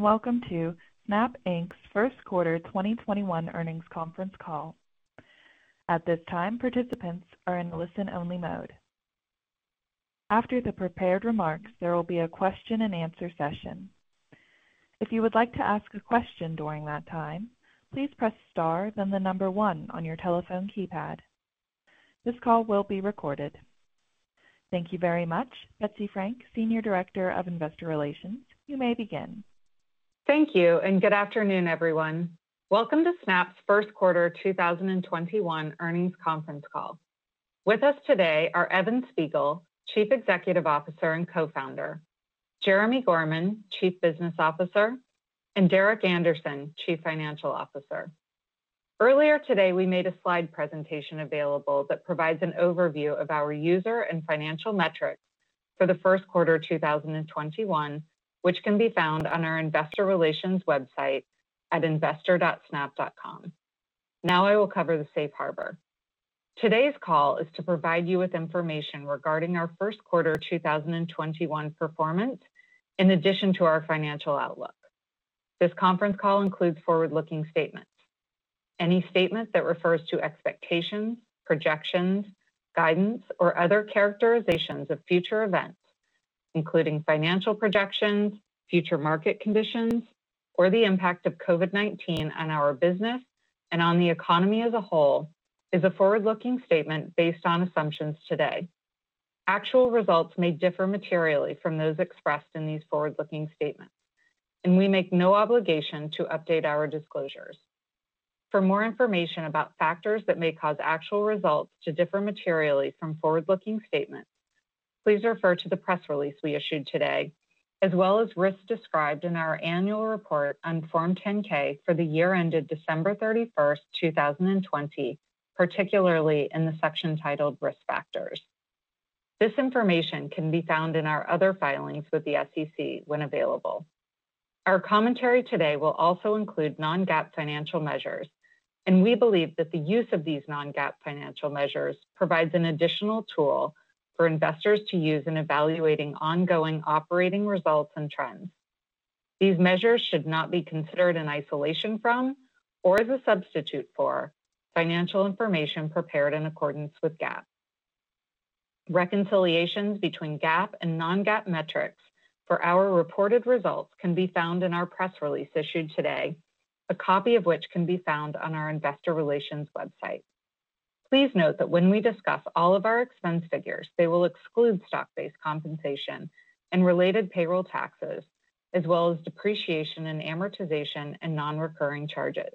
Welcome to Snap Inc.'s first quarter 2021 earnings conference call. At this time participants are in listen only mode. After the prepared remark, there will be a question and answer session. If you would like to ask a question during that time, please press star then the number one on your telephone keypad. This call will be recorded. Thank you very much. Betsy Frank, Senior Director of Investor Relations, you may begin. Thank you, good afternoon, everyone. Welcome to Snap's first quarter 2021 earnings conference call. With us today are Evan Spiegel, Chief Executive Officer and Co-founder, Jeremi Gorman, Chief Business Officer, and Derek Andersen, Chief Financial Officer. Earlier today, we made a slide presentation available that provides an overview of our user and financial metrics for the first quarter 2021, which can be found on our investor relations website at investor.snap.com. Now I will cover the safe harbor. Today's call is to provide you with information regarding our first quarter 2021 performance, in addition to our financial outlook. This conference call includes forward-looking statements. Any statement that refers to expectations, projections, guidance, or other characterizations of future events, including financial projections, future market conditions, or the impact of COVID-19 on our business and on the economy as a whole, is a forward-looking statement based on assumptions today. Actual results may differ materially from those expressed in these forward-looking statements, and we make no obligation to update our disclosures. For more information about factors that may cause actual results to differ materially from forward-looking statements, please refer to the press release we issued today, as well as risks described in our annual report on Form 10-K for the year ended December 31st, 2020, particularly in the section titled Risk Factors. This information can be found in our other filings with the SEC when available. Our commentary today will also include non-GAAP financial measures, and we believe that the use of these non-GAAP financial measures provides an additional tool for investors to use in evaluating ongoing operating results and trends. These measures should not be considered in isolation from, or as a substitute for, financial information prepared in accordance with GAAP. Reconciliations between GAAP and non-GAAP metrics for our reported results can be found in our press release issued today, a copy of which can be found on our investor relations website. Please note that when we discuss all of our expense figures, they will exclude stock-based compensation and related payroll taxes, as well as depreciation and amortization and non-recurring charges.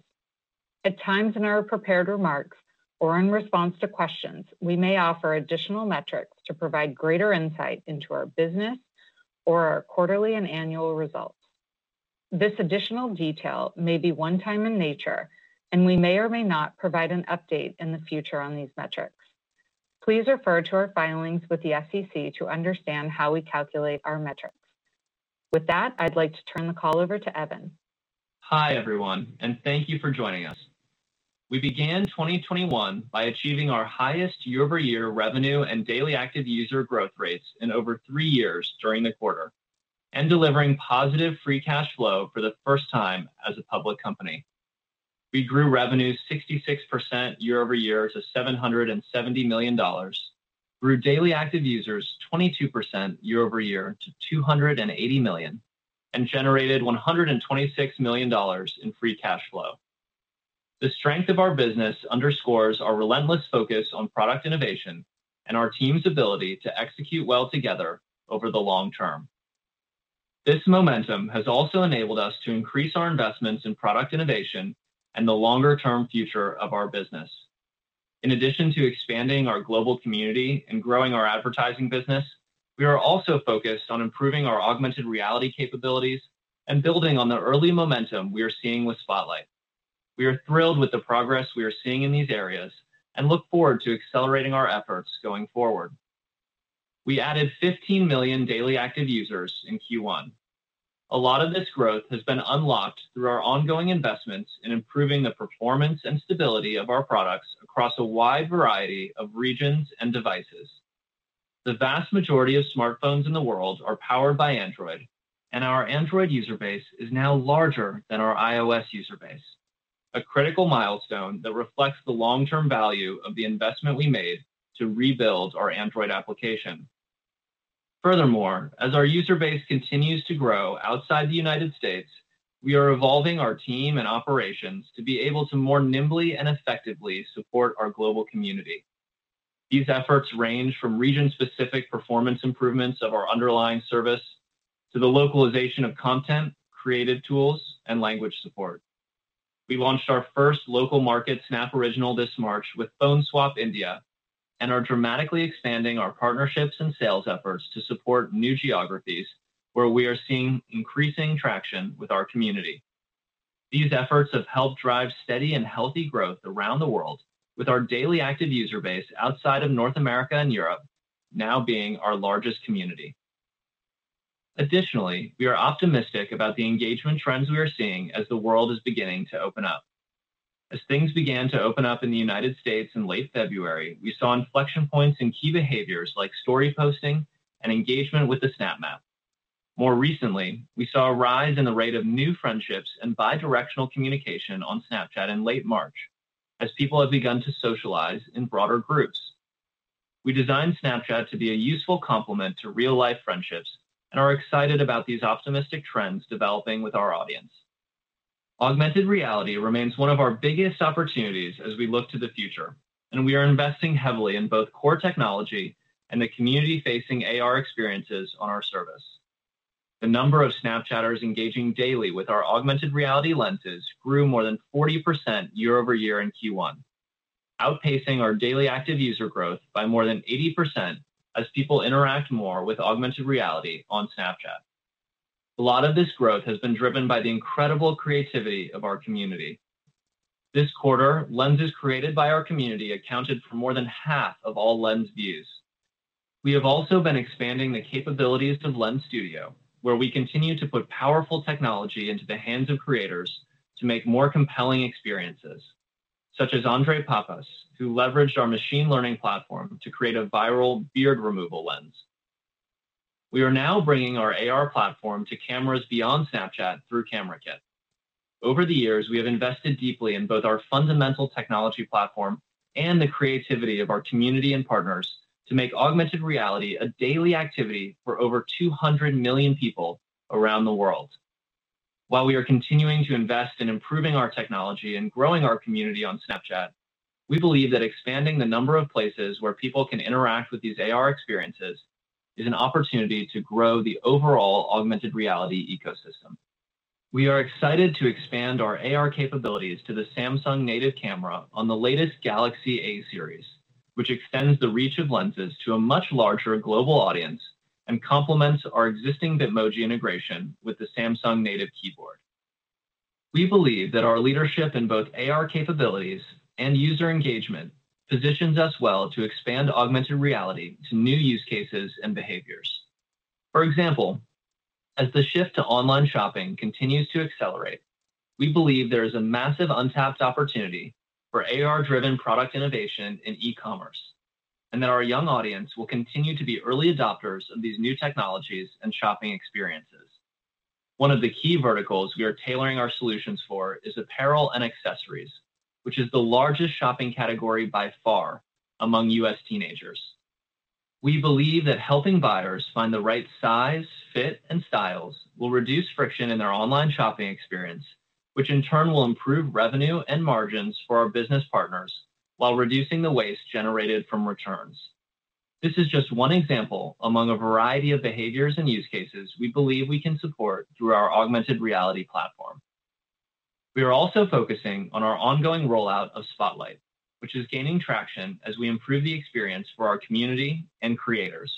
At times in our prepared remarks or in response to questions, we may offer additional metrics to provide greater insight into our business or our quarterly and annual results. This additional detail may be one-time in nature, and we may or may not provide an update in the future on these metrics. Please refer to our filings with the SEC to understand how we calculate our metrics. With that, I'd like to turn the call over to Evan. Hi, everyone, and thank you for joining us. We began 2021 by achieving our highest year-over-year revenue and daily active user growth rates in over three years during the quarter and delivering positive free cash flow for the first time as a public company. We grew revenue 66% year-over-year to $770 million, grew daily active users 22% year-over-year to 280 million, and generated $126 million in free cash flow. The strength of our business underscores our relentless focus on product innovation and our team's ability to execute well together over the long term. This momentum has also enabled us to increase our investments in product innovation and the longer-term future of our business. In addition to expanding our global community and growing our advertising business, we are also focused on improving our augmented reality capabilities and building on the early momentum we are seeing with Spotlight. We are thrilled with the progress we are seeing in these areas and look forward to accelerating our efforts going forward. We added 15 million daily active users in Q1. A lot of this growth has been unlocked through our ongoing investments in improving the performance and stability of our products across a wide variety of regions and devices. The vast majority of smartphones in the world are powered by Android, and our Android user base is now larger than our iOS user base, a critical milestone that reflects the long-term value of the investment we made to rebuild our Android application. Furthermore, as our user base continues to grow outside the United States, we are evolving our team and operations to be able to more nimbly and effectively support our global community. These efforts range from region-specific performance improvements of our underlying service to the localization of content, creative tools, and language support. We launched our first local market Snap Original this March with Phone Swap India and are dramatically expanding our partnerships and sales efforts to support new geographies where we are seeing increasing traction with our community. These efforts have helped drive steady and healthy growth around the world with our daily active user base outside of North America and Europe now being our largest community. Additionally, we are optimistic about the engagement trends we are seeing as the world is beginning to open up. As things began to open up in the U.S. in late February, we saw inflection points in key behaviors like story posting and engagement with the Snap Map. More recently, we saw a rise in the rate of new friendships and bi-directional communication on Snapchat in late March as people have begun to socialize in broader groups. We designed Snapchat to be a useful complement to real life friendships and are excited about these optimistic trends developing with our audience. Augmented reality remains one of our biggest opportunities as we look to the future, and we are investing heavily in both core technology and the community-facing AR experiences on our service. The number of Snapchatters engaging daily with our augmented reality lenses grew more than 40% year-over-year in Q1, outpacing our daily active user growth by more than 80% as people interact more with augmented reality on Snapchat. A lot of this growth has been driven by the incredible creativity of our community. This quarter, lenses created by our community accounted for more than half of all lens views. We have also been expanding the capabilities of Lens Studio, where we continue to put powerful technology into the hands of creators to make more compelling experiences, such as Andre Papas, who leveraged our machine learning platform to create a viral beard removal lens. We are now bringing our AR platform to cameras beyond Snapchat through Camera Kit. Over the years, we have invested deeply in both our fundamental technology platform and the creativity of our community and partners to make augmented reality a daily activity for over 200 million people around the world. While we are continuing to invest in improving our technology and growing our community on Snapchat, we believe that expanding the number of places where people can interact with these AR experiences is an opportunity to grow the overall augmented reality ecosystem. We are excited to expand our AR capabilities to the Samsung native camera on the latest Galaxy A series, which extends the reach of lenses to a much larger global audience and complements our existing Bitmoji integration with the Samsung native keyboard. We believe that our leadership in both AR capabilities and user engagement positions us well to expand augmented reality to new use cases and behaviors. For example, as the shift to online shopping continues to accelerate, we believe there is a massive untapped opportunity for AR-driven product innovation in e-commerce, and that our young audience will continue to be early adopters of these new technologies and shopping experiences. One of the key verticals we are tailoring our solutions for is apparel and accessories, which is the largest shopping category by far among U.S. teenagers. We believe that helping buyers find the right size, fit, and styles will reduce friction in their online shopping experience, which in turn will improve revenue and margins for our business partners while reducing the waste generated from returns. This is just one example among a variety of behaviors and use cases we believe we can support through our augmented reality platform. We are also focusing on our ongoing rollout of Spotlight, which is gaining traction as we improve the experience for our community and creators.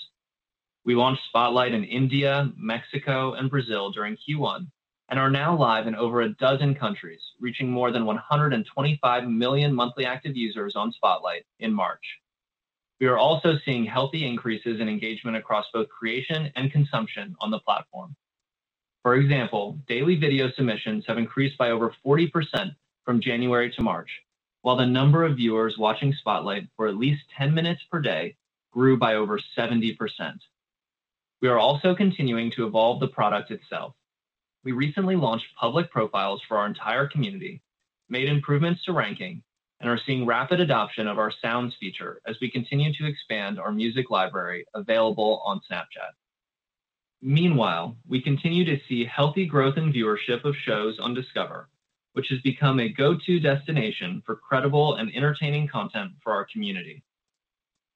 We launched Spotlight in India, Mexico, and Brazil during Q1 and are now live in over 12 countries, reaching more than 125 million monthly active users on Spotlight in March. We are also seeing healthy increases in engagement across both creation and consumption on the platform. For example, daily video submissions have increased by over 40% from January to March, while the number of viewers watching Spotlight for at least 10 minutes per day grew by over 70%. We are also continuing to evolve the product itself. We recently launched public profiles for our entire community, made improvements to ranking, and are seeing rapid adoption of our Sounds feature as we continue to expand our music library available on Snapchat. Meanwhile, we continue to see healthy growth in viewership of shows on Discover, which has become a go-to destination for credible and entertaining content for our community.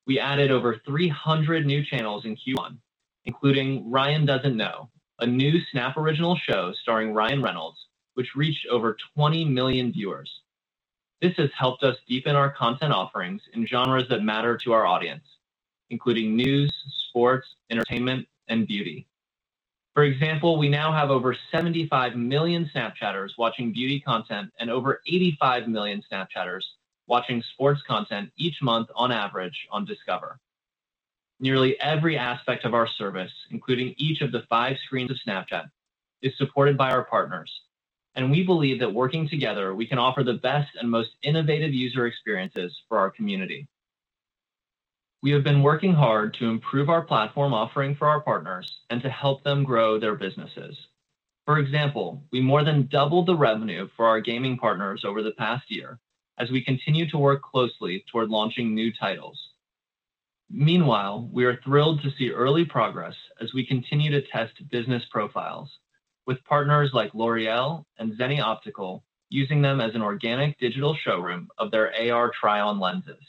We added over 300 new channels in Q1, including "Ryan Doesn't Know," a new Snap Original show starring Ryan Reynolds, which reached over 20 million viewers. This has helped us deepen our content offerings in genres that matter to our audience, including news, sports, entertainment, and beauty. For example, we now have over 75 million Snapchatters watching beauty content and over 85 million Snapchatters watching sports content each month on average on Discover. Nearly every aspect of our service, including each of the five screens of Snapchat, is supported by our partners, and we believe that working together, we can offer the best and most innovative user experiences for our community. We have been working hard to improve our platform offering for our partners and to help them grow their businesses. For example, we more than doubled the revenue for our gaming partners over the past year as we continue to work closely toward launching new titles. Meanwhile, we are thrilled to see early progress as we continue to test Business Profile with partners like L'Oréal and Zenni Optical using them as an organic digital showroom of their AR try-on lenses.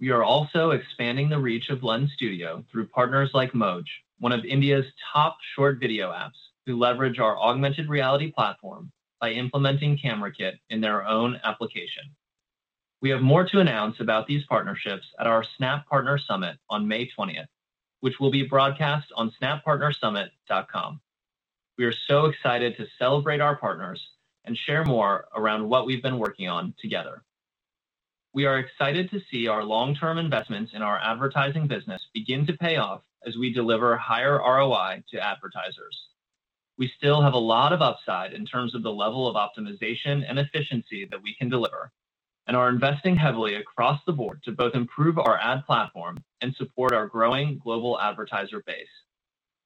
We are also expanding the reach of Lens Studio through partners like Moj, one of India's top short video apps to leverage our augmented reality platform by implementing Camera Kit in their own application. We have more to announce about these partnerships at our Snap Partner Summit on May 20th, which will be broadcast on snappartnersummit.com. We are so excited to celebrate our partners and share more around what we've been working on together. We are excited to see our long-term investments in our advertising business begin to pay off as we deliver higher ROI to advertisers. We still have a lot of upside in terms of the level of optimization and efficiency that we can deliver and are investing heavily across the board to both improve our ad platform and support our growing global advertiser base.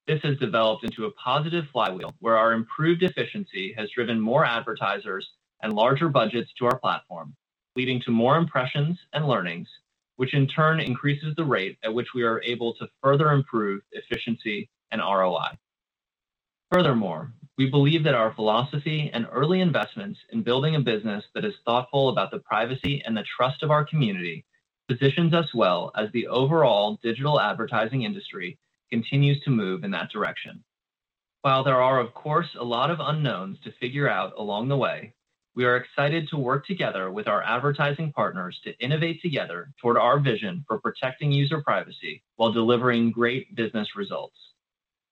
This has developed into a positive flywheel where our improved efficiency has driven more advertisers and larger budgets to our platform, leading to more impressions and learnings, which in turn increases the rate at which we are able to further improve efficiency and ROI. We believe that our philosophy and early investments in building a business that is thoughtful about the privacy and the trust of our community positions us well as the overall digital advertising industry continues to move in that direction. While there are of course a lot of unknowns to figure out along the way, we are excited to work together with our advertising partners to innovate together toward our vision for protecting user privacy while delivering great business results.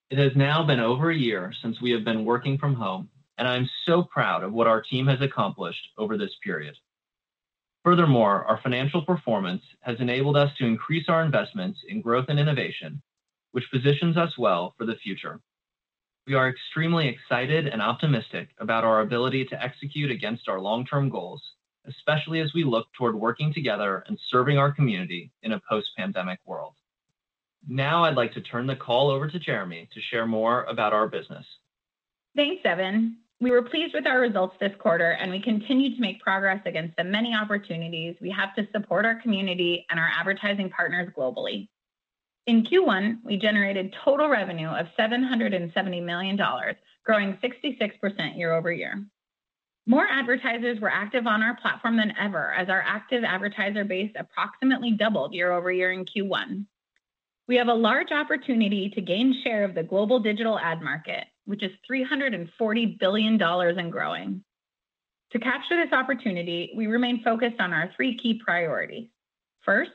It has now been over a year since we have been working from home, and I'm so proud of what our team has accomplished over this period. Our financial performance has enabled us to increase our investments in growth and innovation, which positions us well for the future. We are extremely excited and optimistic about our ability to execute against our long-term goals, especially as we look toward working together and serving our community in a post-pandemic world. Now I'd like to turn the call over to Jeremi to share more about our business. Thanks, Evan. We were pleased with our results this quarter, and we continue to make progress against the many opportunities we have to support our community and our advertising partners globally. In Q1, we generated total revenue of $770 million, growing 66% year-over-year. More advertisers were active on our platform than ever as our active advertiser base approximately doubled year-over-year in Q1. We have a large opportunity to gain share of the global digital ad market, which is $340 billion and growing. To capture this opportunity, we remain focused on our three key priorities. First,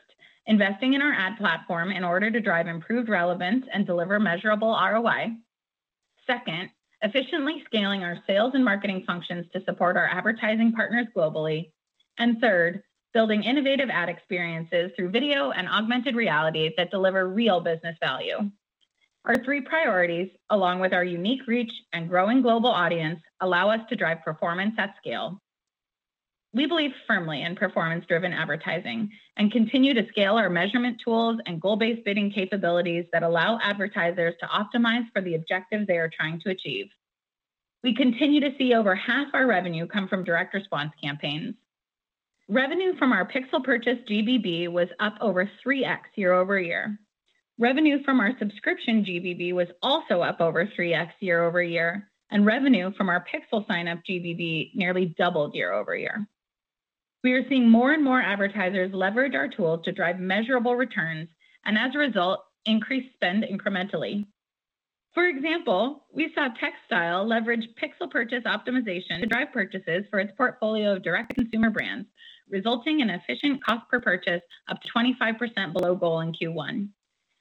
investing in our ad platform in order to drive improved relevance and deliver measurable ROI. Second, efficiently scaling our sales and marketing functions to support our advertising partners globally. Third, building innovative ad experiences through video and augmented reality that deliver real business value. Our three priorities, along with our unique reach and growing global audience, allow us to drive performance at scale. We believe firmly in performance-driven advertising and continue to scale our measurement tools and goal-based bidding capabilities that allow advertisers to optimize for the objectives they are trying to achieve. We continue to see over half our revenue come from direct response campaigns. Revenue from our pixel purchase GBB was up over 3x year-over-year. Revenue from our subscription GBB was also up over 3x year-over-year, and revenue from our pixel sign-up GBB nearly doubled year-over-year. We are seeing more and more advertisers leverage our tools to drive measurable returns, and as a result, increase spend incrementally. For example, we saw TechStyle leverage pixel purchase optimization to drive purchases for its portfolio of direct-to-consumer brands, resulting in efficient cost per purchase up to 25% below goal in Q1.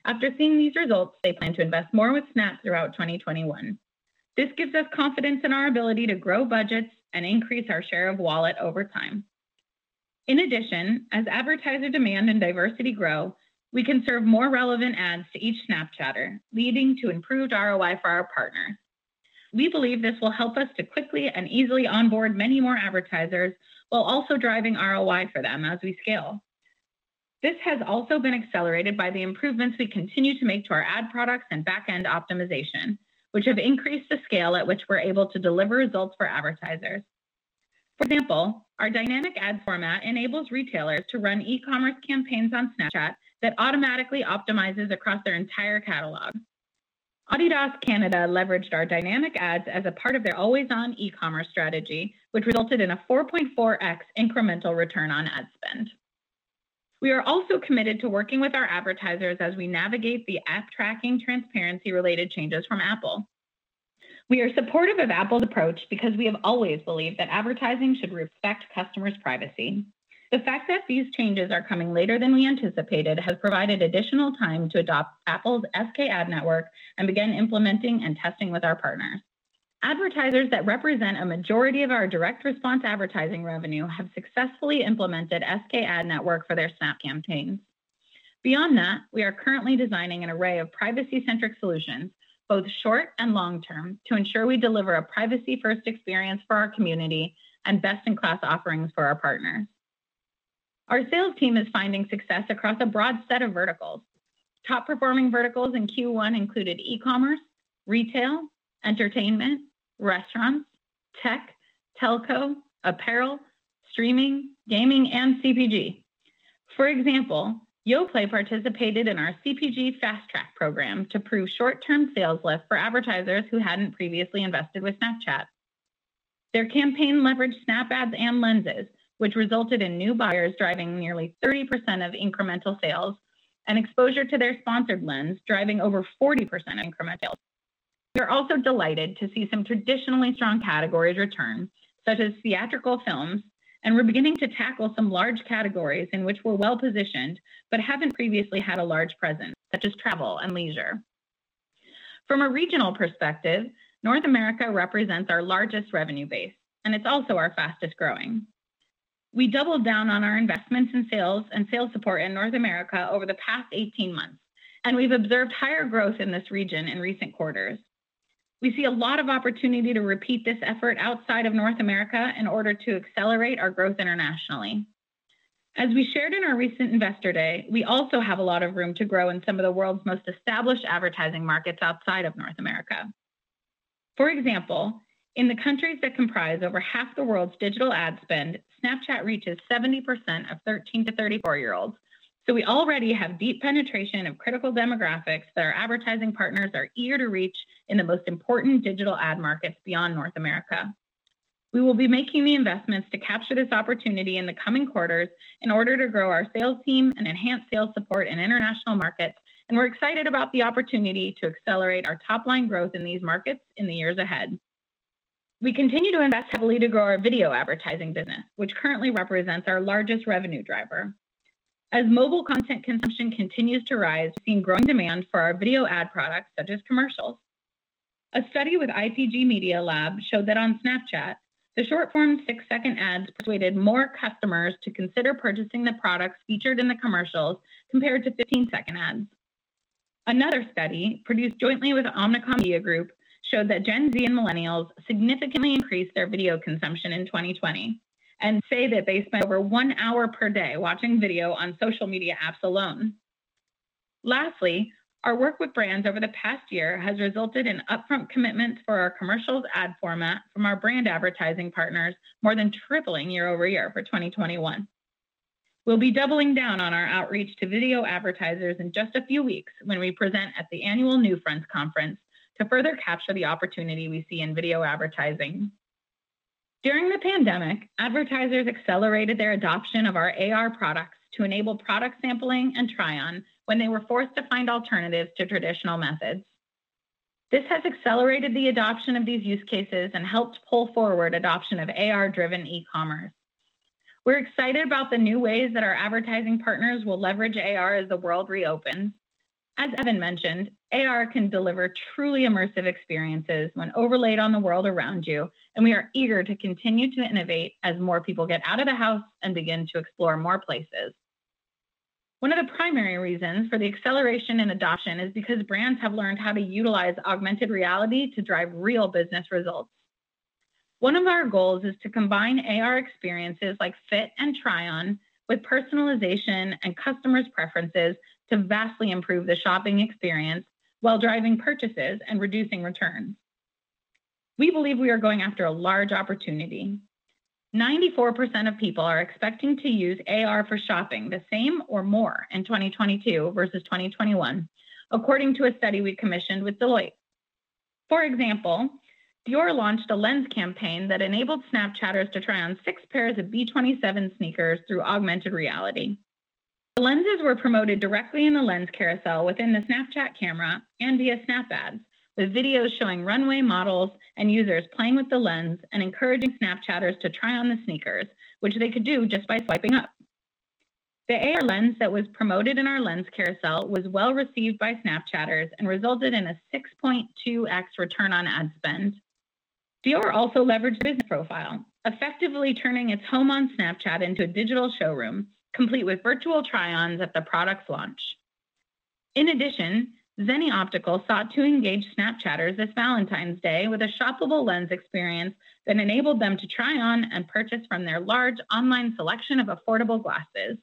After seeing these results, they plan to invest more with Snap throughout 2021. This gives us confidence in our ability to grow budgets and increase our share of wallet over time. In addition, as advertiser demand and diversity grow, we can serve more relevant ads to each Snapchatter, leading to improved ROI for our partners. We believe this will help us to quickly and easily onboard many more advertisers while also driving ROI for them as we scale. This has also been accelerated by the improvements we continue to make to our ad products and back-end optimization, which have increased the scale at which we're able to deliver results for advertisers. For example, our dynamic ad format enables retailers to run e-commerce campaigns on Snapchat that automatically optimizes across their entire catalog. adidas Canada leveraged our dynamic ads as a part of their always-on e-commerce strategy, which resulted in a 4.4x incremental return on ad spend. We are also committed to working with our advertisers as we navigate the App Tracking Transparency-related changes from Apple. We are supportive of Apple's approach because we have always believed that advertising should respect customers' privacy. The fact that these changes are coming later than we anticipated has provided additional time to adopt Apple's SKAdNetwork and begin implementing and testing with our partners. Advertisers that represent a majority of our direct response advertising revenue have successfully implemented SKAdNetwork for their Snap campaigns. Beyond that, we are currently designing an array of privacy-centric solutions, both short and long term, to ensure we deliver a privacy-first experience for our community and best-in-class offerings for our partners. Our sales team is finding success across a broad set of verticals. Top-performing verticals in Q1 included e-commerce, retail, entertainment, restaurants, tech, telco, apparel, streaming, gaming, and CPG. For example, Yoplait participated in our CPG Fast Track program to prove short-term sales lift for advertisers who hadn't previously invested with Snapchat. Their campaign leveraged Snap Ads and Lenses, which resulted in new buyers driving nearly 30% of incremental sales and exposure to their sponsored Lens driving over 40% incremental. We are also delighted to see some traditionally strong categories return, such as theatrical films, and we're beginning to tackle some large categories in which we're well-positioned but haven't previously had a large presence, such as travel and leisure. From a regional perspective, North America represents our largest revenue base, and it's also our fastest-growing. We doubled down on our investments in sales and sales support in North America over the past 18 months, and we've observed higher growth in this region in recent quarters. We see a lot of opportunity to repeat this effort outside of North America in order to accelerate our growth internationally. As we shared in our recent Investor Day, we also have a lot of room to grow in some of the world's most established advertising markets outside of North America. For example, in the countries that comprise over half the world's digital ad spend, Snapchat reaches 70% of 13 to 34-year-olds. We already have deep penetration of critical demographics that our advertising partners are eager to reach in the most important digital ad markets beyond North America. We will be making the investments to capture this opportunity in the coming quarters in order to grow our sales team and enhance sales support in international markets, and we're excited about the opportunity to accelerate our top-line growth in these markets in the years ahead. We continue to invest heavily to grow our video advertising business, which currently represents our largest revenue driver. As mobile content consumption continues to rise, we've seen growing demand for our video ad products such as Commercials. A study with IPG Media Lab showed that on Snapchat, the short-form six-second ads persuaded more customers to consider purchasing the products featured in the Commercials compared to 15-second ads. Another study, produced jointly with Omnicom Media Group, showed that Gen Z and millennials significantly increased their video consumption in 2020 and say that they spend over one hour per day watching video on social media apps alone. Lastly, our work with brands over the past year has resulted in upfront commitments for our Commercials ad format from our brand advertising partners, more than tripling year-over-year for 2021. We'll be doubling down on our outreach to video advertisers in just a few weeks when we present at the annual NewFronts conference to further capture the opportunity we see in video advertising. During the pandemic, advertisers accelerated their adoption of our AR products to enable product sampling and try-on when they were forced to find alternatives to traditional methods. This has accelerated the adoption of these use cases and helped pull forward adoption of AR-driven e-commerce. We're excited about the new ways that our advertising partners will leverage AR as the world reopens. As Evan mentioned, AR can deliver truly immersive experiences when overlaid on the world around you, and we are eager to continue to innovate as more people get out of the house and begin to explore more places. One of the primary reasons for the acceleration in adoption is because brands have learned how to utilize augmented reality to drive real business results. One of our goals is to combine AR experiences like Fit and Try On with personalization and customers' preferences to vastly improve the shopping experience while driving purchases and reducing returns. We believe we are going after a large opportunity. 94% of people are expecting to use AR for shopping the same or more in 2022 versus 2021, according to a study we commissioned with Deloitte. For example, Dior launched a Lens campaign that enabled Snapchatters to try on six pairs of B27 sneakers through augmented reality. The Lenses were promoted directly in the Lens carousel within the Snapchat camera and via Snap Ads, with videos showing runway models and users playing with the Lens and encouraging Snapchatters to try on the sneakers, which they could do just by swiping up. The AR Lens that was promoted in our Lens carousel was well received by Snapchatters and resulted in a 6.2x return on ad spend. Dior also leveraged Business Profile, effectively turning its home on Snapchat into a digital showroom, complete with virtual try-ons at the product's launch. In addition, Zenni Optical sought to engage Snapchatters this Valentine's Day with a shoppable Lens experience that enabled them to try on and purchase from their large online selection of affordable glasses.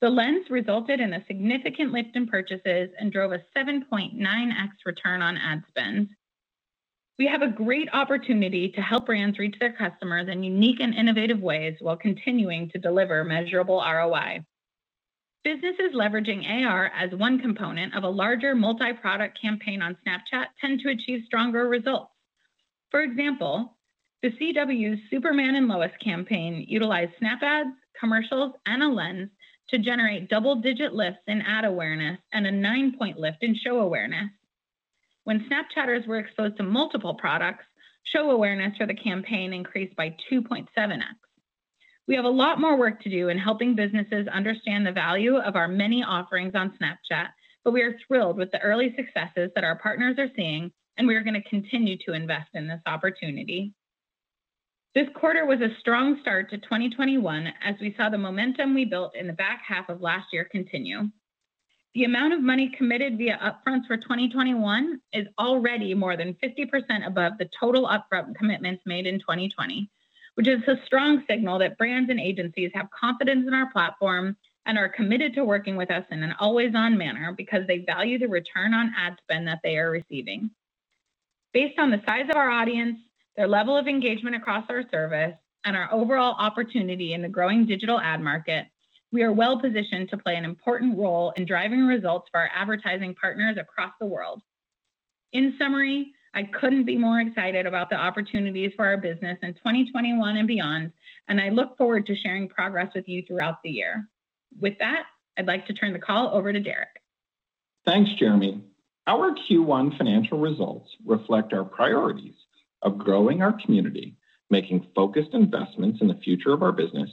The Lens resulted in a significant lift in purchases and drove a 7.9x return on ad spend. We have a great opportunity to help brands reach their customers in unique and innovative ways while continuing to deliver measurable ROI. Businesses leveraging AR as one component of a larger multi-product campaign on Snapchat tend to achieve stronger results. For example, The CW's "Superman & Lois" campaign utilized Snap Ads, Commercials, and a Lens to generate double-digit lifts in ad awareness and a nine-point lift in show awareness. When Snapchatters were exposed to multiple products, show awareness for the campaign increased by 2.7x. We have a lot more work to do in helping businesses understand the value of our many offerings on Snapchat, but we are thrilled with the early successes that our partners are seeing, and we are going to continue to invest in this opportunity. This quarter was a strong start to 2021 as we saw the momentum we built in the back half of last year continue. The amount of money committed via upfront for 2021 is already more than 50% above the total upfront commitments made in 2020, which is a strong signal that brands and agencies have confidence in our platform and are committed to working with us in an always-on manner because they value the return on ad spend that they are receiving. Based on the size of our audience, their level of engagement across our service, and our overall opportunity in the growing digital ad market, we are well-positioned to play an important role in driving results for our advertising partners across the world. In summary, I couldn't be more excited about the opportunities for our business in 2021 and beyond, and I look forward to sharing progress with you throughout the year. With that, I'd like to turn the call over to Derek. Thanks, Jeremi. Our Q1 financial results reflect our priorities of growing our community, making focused investments in the future of our business,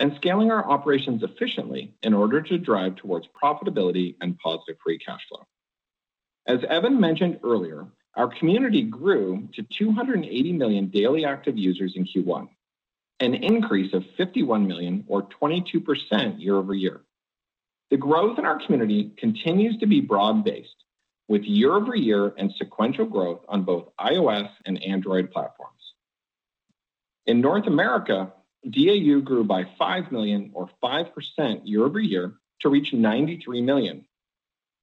and scaling our operations efficiently in order to drive towards profitability and positive free cash flow. As Evan mentioned earlier, our community grew to 280 million daily active users in Q1, an increase of 51 million or 22% year-over-year. The growth in our community continues to be broad-based, with year-over-year and sequential growth on both iOS and Android platforms. In North America, DAU grew by 5 million or 5% year-over-year to reach 93 million.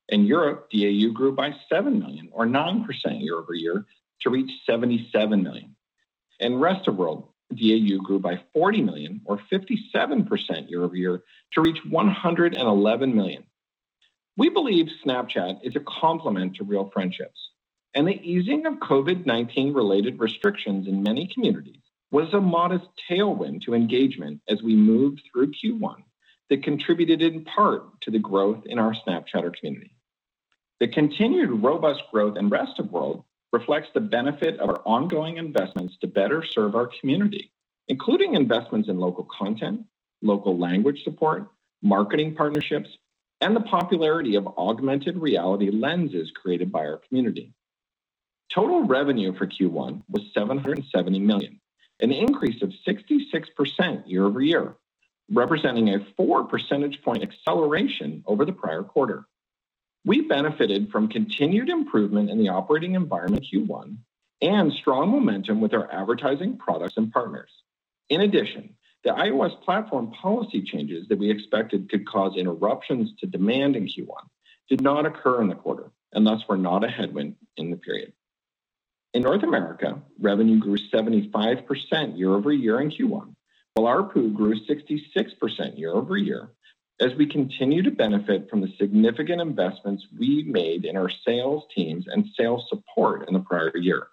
In Europe, DAU grew by 7 million or 9% year-over-year to reach 77 million. In rest of world, DAU grew by 40 million or 57% year-over-year to reach 111 million. We believe Snapchat is a complement to real friendships, and the easing of COVID-19 related restrictions in many communities was a modest tailwind to engagement as we moved through Q1 that contributed in part to the growth in our Snapchatter community. The continued robust growth in rest of world reflects the benefit of our ongoing investments to better serve our community, including investments in local content, local language support, marketing partnerships, and the popularity of augmented reality lenses created by our community. Total revenue for Q1 was $770 million, an increase of 66% year-over-year, representing a four percentage point acceleration over the prior quarter. We benefited from continued improvement in the operating environment in Q1 and strong momentum with our advertising products and partners. In addition, the iOS platform policy changes that we expected could cause interruptions to demand in Q1 did not occur in the quarter, and thus were not a headwind in the period. In North America, revenue grew 75% year-over-year in Q1, while ARPU grew 66% year-over-year, as we continue to benefit from the significant investments we made in our sales teams and sales support in the prior year.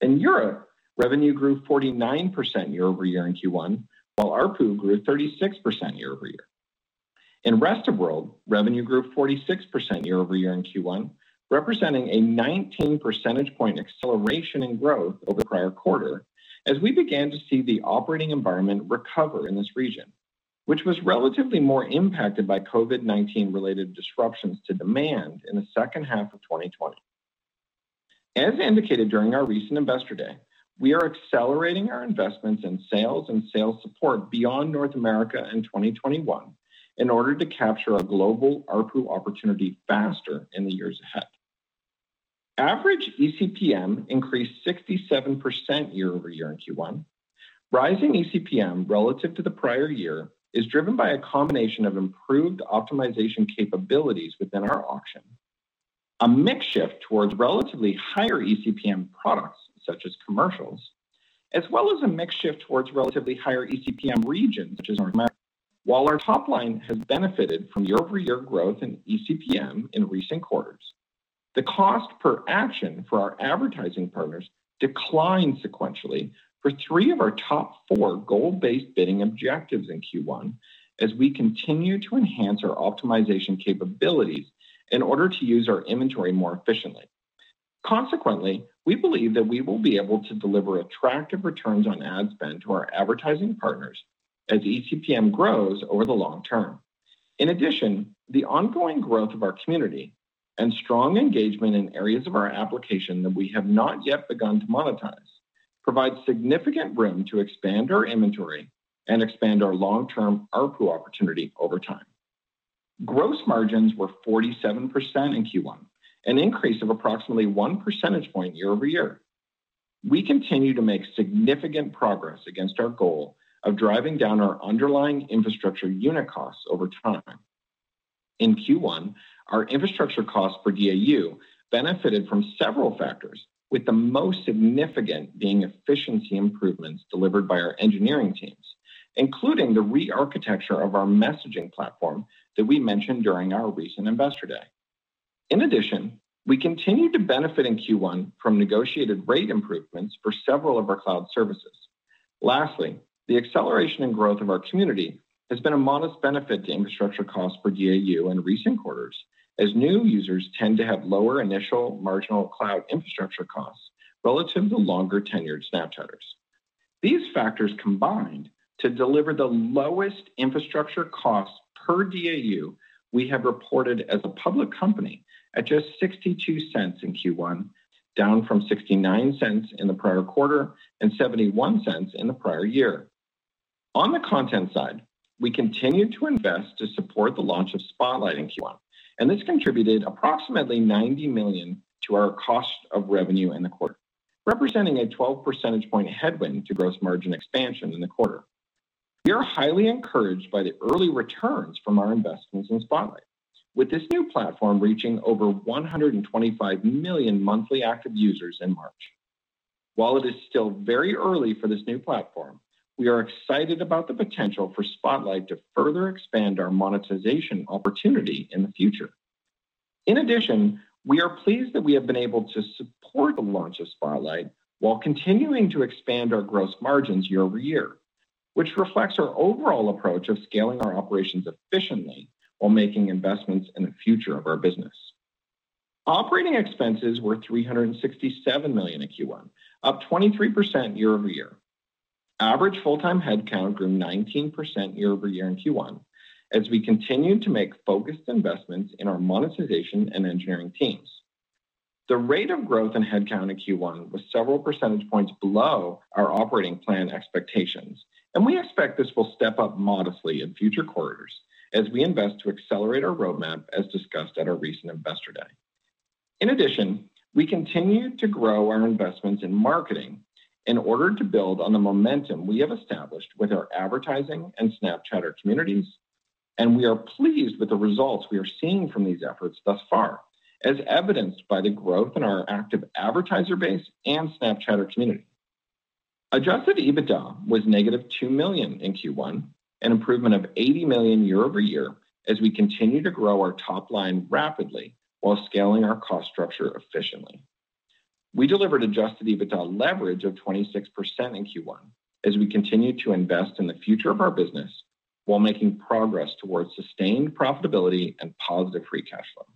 In Europe, revenue grew 49% year-over-year in Q1, while ARPU grew 36% year-over-year. In rest of world, revenue grew 46% year-over-year in Q1, representing a 19 percentage point acceleration in growth over the prior quarter as we began to see the operating environment recover in this region, which was relatively more impacted by COVID-19 related disruptions to demand in the second half of 2020. As indicated during our recent Investor Day, we are accelerating our investments in sales and sales support beyond North America in 2021 in order to capture our global ARPU opportunity faster in the years ahead. Average eCPM increased 67% year-over-year in Q1. Rising eCPM relative to the prior year is driven by a combination of improved optimization capabilities within our auction, a mix shift towards relatively higher eCPM products such as Commercials, as well as a mix shift towards relatively higher eCPM regions such as North America. While our top line has benefited from year-over-year growth in eCPM in recent quarters, the cost per action for our advertising partners declined sequentially for three of our top four goal-based bidding objectives in Q1 as we continue to enhance our optimization capabilities in order to use our inventory more efficiently. Consequently, we believe that we will be able to deliver attractive returns on ad spend to our advertising partners as eCPM grows over the long term. In addition, the ongoing growth of our community and strong engagement in areas of our application that we have not yet begun to monetize provide significant room to expand our inventory and expand our long-term ARPU opportunity over time. Gross margins were 47% in Q1, an increase of approximately one percentage point year-over-year. We continue to make significant progress against our goal of driving down our underlying infrastructure unit costs over time. In Q1, our infrastructure cost per DAU benefited from several factors, with the most significant being efficiency improvements delivered by our engineering teams, including the rearchitecture of our messaging platform that we mentioned during our recent Investor Day. We continued to benefit in Q1 from negotiated rate improvements for several of our cloud services. The acceleration and growth of our community has been a modest benefit to infrastructure costs per DAU in recent quarters as new users tend to have lower initial marginal cloud infrastructure costs relative to longer-tenured Snapchatters. These factors combined to deliver the lowest infrastructure cost per DAU we have reported as a public company at just $0.62 in Q1, down from $0.69 in the prior quarter and $0.71 in the prior year. On the content side, we continued to invest to support the launch of Spotlight in Q1, this contributed approximately $90 million to our cost of revenue in the quarter, representing a 12 percentage point headwind to gross margin expansion in the quarter. We are highly encouraged by the early returns from our investments in Spotlight. With this new platform reaching over 125 million monthly active users in March. While it is still very early for this new platform, we are excited about the potential for Spotlight to further expand our monetization opportunity in the future. In addition, we are pleased that we have been able to support the launch of Spotlight while continuing to expand our gross margins year-over-year. Which reflects our overall approach of scaling our operations efficiently while making investments in the future of our business. Operating expenses were $367 million in Q1, up 23% year-over-year. Average full-time headcount grew 19% year-over-year in Q1 as we continued to make focused investments in our monetization and engineering teams. The rate of growth in headcount in Q1 was several percentage points below our operating plan expectations, and we expect this will step up modestly in future quarters as we invest to accelerate our roadmap, as discussed at our recent Investor Day. In addition, we continued to grow our investments in marketing in order to build on the momentum we have established with our advertising and Snapchatter communities, and we are pleased with the results we are seeing from these efforts thus far, as evidenced by the growth in our active advertiser base and Snapchatter community. Adjusted EBITDA was negative $2 million in Q1, an improvement of $80 million year-over-year as we continue to grow our top line rapidly while scaling our cost structure efficiently. We delivered adjusted EBITDA leverage of 26% in Q1 as we continued to invest in the future of our business while making progress towards sustained profitability and positive free cash flow.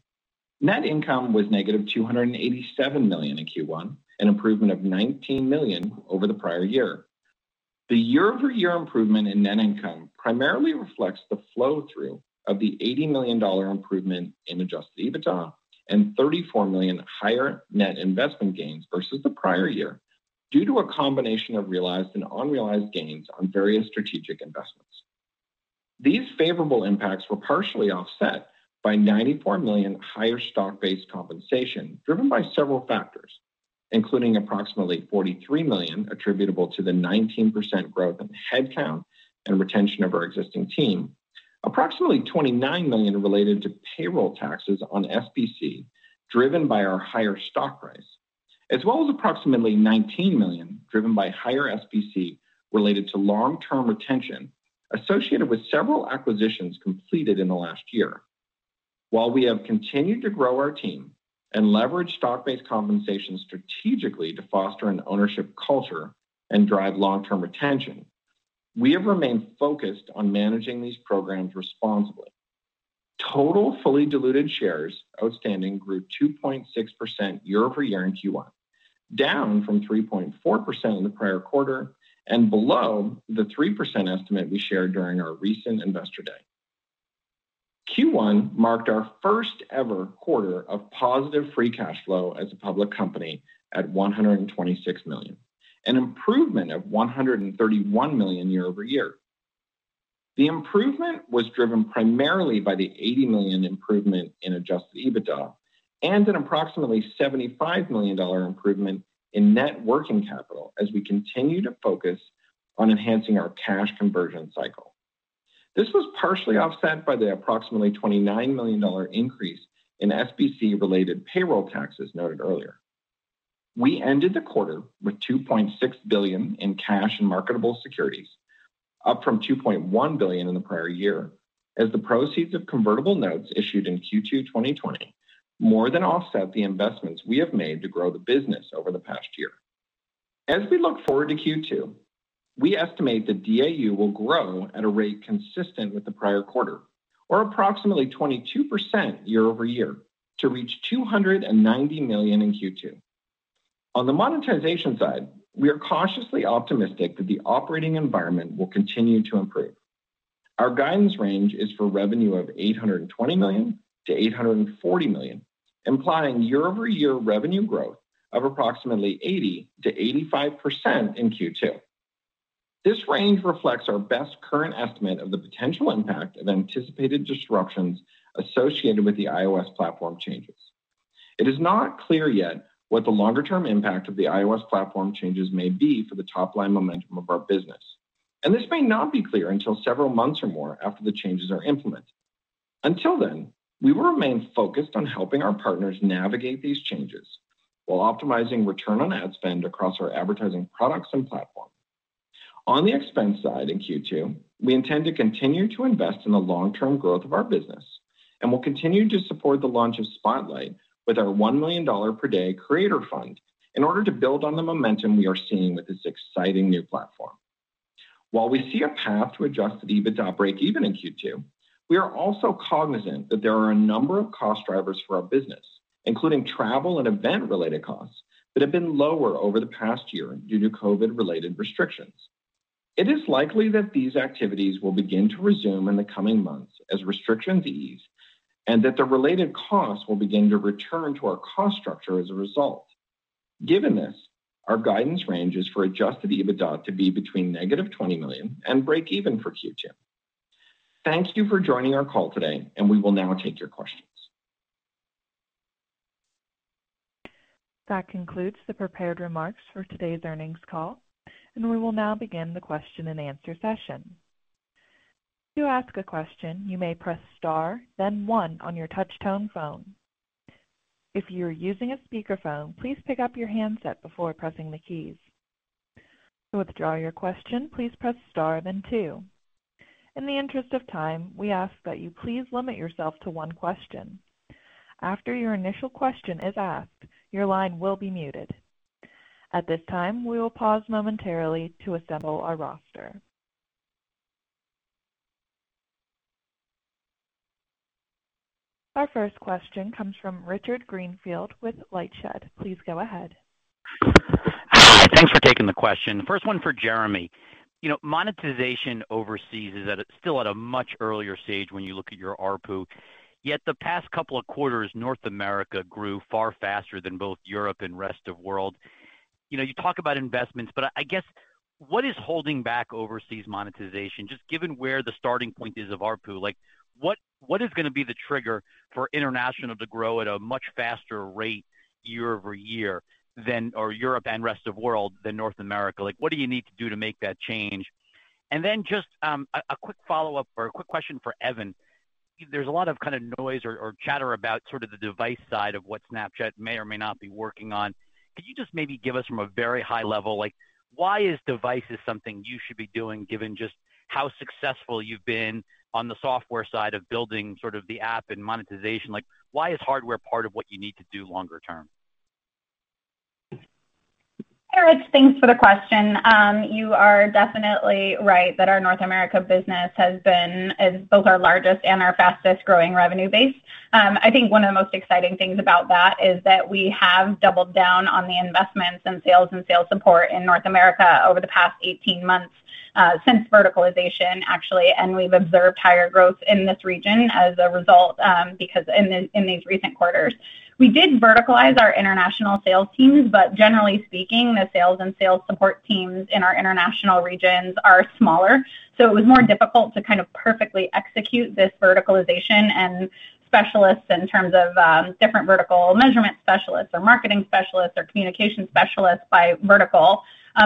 Net income was negative $287 million in Q1, an improvement of $19 million over the prior year. The year-over-year improvement in net income primarily reflects the flow-through of the $80 million improvement in adjusted EBITDA and $34 million higher net investment gains versus the prior year due to a combination of realized and unrealized gains on various strategic investments. These favorable impacts were partially offset by $94 million higher stock-based compensation, driven by several factors, including approximately $43 million attributable to the 19% growth in headcount and retention of our existing team. Approximately $29 million related to payroll taxes on SBC driven by our higher stock price, as well as approximately $19 million driven by higher SBC related to long-term retention associated with several acquisitions completed in the last year. While we have continued to grow our team and leverage stock-based compensation strategically to foster an ownership culture and drive long-term retention, we have remained focused on managing these programs responsibly. Total fully diluted shares outstanding grew 2.6% year-over-year in Q1, down from 3.4% in the prior quarter and below the 3% estimate we shared during our recent Investor Day. Q1 marked our first ever quarter of positive free cash flow as a public company at $126 million, an improvement of $131 million year-over-year. The improvement was driven primarily by the $80 million improvement in adjusted EBITDA and an approximately $75 million improvement in net working capital as we continue to focus on enhancing our cash conversion cycle. This was partially offset by the approximately $29 million increase in SBC-related payroll taxes noted earlier. We ended the quarter with $2.6 billion in cash and marketable securities, up from $2.1 billion in the prior year, as the proceeds of convertible notes issued in Q2 2020 more than offset the investments we have made to grow the business over the past year. As we look forward to Q2, we estimate that DAU will grow at a rate consistent with the prior quarter or approximately 22% year-over-year to reach 290 million in Q2. On the monetization side, we are cautiously optimistic that the operating environment will continue to improve. Our guidance range is for revenue of $820 million-$840 million, implying year-over-year revenue growth of approximately 80%-85% in Q2. This range reflects our best current estimate of the potential impact of anticipated disruptions associated with the iOS platform changes. It is not clear yet what the longer-term impact of the iOS platform changes may be for the top-line momentum of our business, and this may not be clear until several months or more after the changes are implemented. Until then, we will remain focused on helping our partners navigate these changes while optimizing return on ad spend across our advertising products and platform. On the expense side in Q2, we intend to continue to invest in the long-term growth of our business and will continue to support the launch of Spotlight with our $1 million per day creator fund in order to build on the momentum we are seeing with this exciting new platform. While we see a path to adjusted EBITDA breakeven in Q2, we are also cognizant that there are a number of cost drivers for our business, including travel and event-related costs, that have been lower over the past year due to COVID-related restrictions. It is likely that these activities will begin to resume in the coming months as restrictions ease, and that the related costs will begin to return to our cost structure as a result. Given this, our guidance range is for adjusted EBITDA to be between negative $20 million and breakeven for Q2. Thank you for joining our call today. We will now take your questions. That concludes the prepared remarks for today's earnings call, and we will now begin the question and answer session. To ask a question you may press star then one on your touchtone phone. If you're using a speakerphone, please pick up your handset before pressing the keys. To withdraw your question, please press star then two. In the interest of time, we ask that you please limit yourself to one question. After your initial question is asked, your line will be muted. At this time, we will pause momentarily to assemble our roster. Our first question comes from Richard Greenfield with LightShed. Please go ahead. Hi. Thanks for taking the question. First one for Jeremi. Monetization overseas is still at a much earlier stage when you look at your ARPU. Yet the past couple of quarters, North America grew far faster than both Europe and rest of world. You talk about investments, but I guess, what is holding back overseas monetization, just given where the starting point is of ARPU? What is going to be the trigger for international to grow at a much faster rate year-over-year, or Europe and rest of world, than North America? What do you need to do to make that change? Just a quick follow-up or a quick question for Evan. There's a lot of kind of noise or chatter about sort of the device side of what Snapchat may or may not be working on. Could you just maybe give us from a very high level, why is devices something you should be doing given just how successful you've been on the software side of building sort of the app and monetization? Why is hardware part of what you need to do longer term? Richard, thanks for the question. You are definitely right that our North America business is both our largest and our fastest-growing revenue base. I think one of the most exciting things about that is that we have doubled down on the investments in sales and sales support in North America over the past 18 months, since verticalization, actually, and we've observed higher growth in this region as a result in these recent quarters. We did verticalize our international sales teams, generally speaking, the sales and sales support teams in our international regions are smaller. It was more difficult to kind of perfectly execute this verticalization and specialists in terms of different vertical measurement specialists or marketing specialists or communication specialists by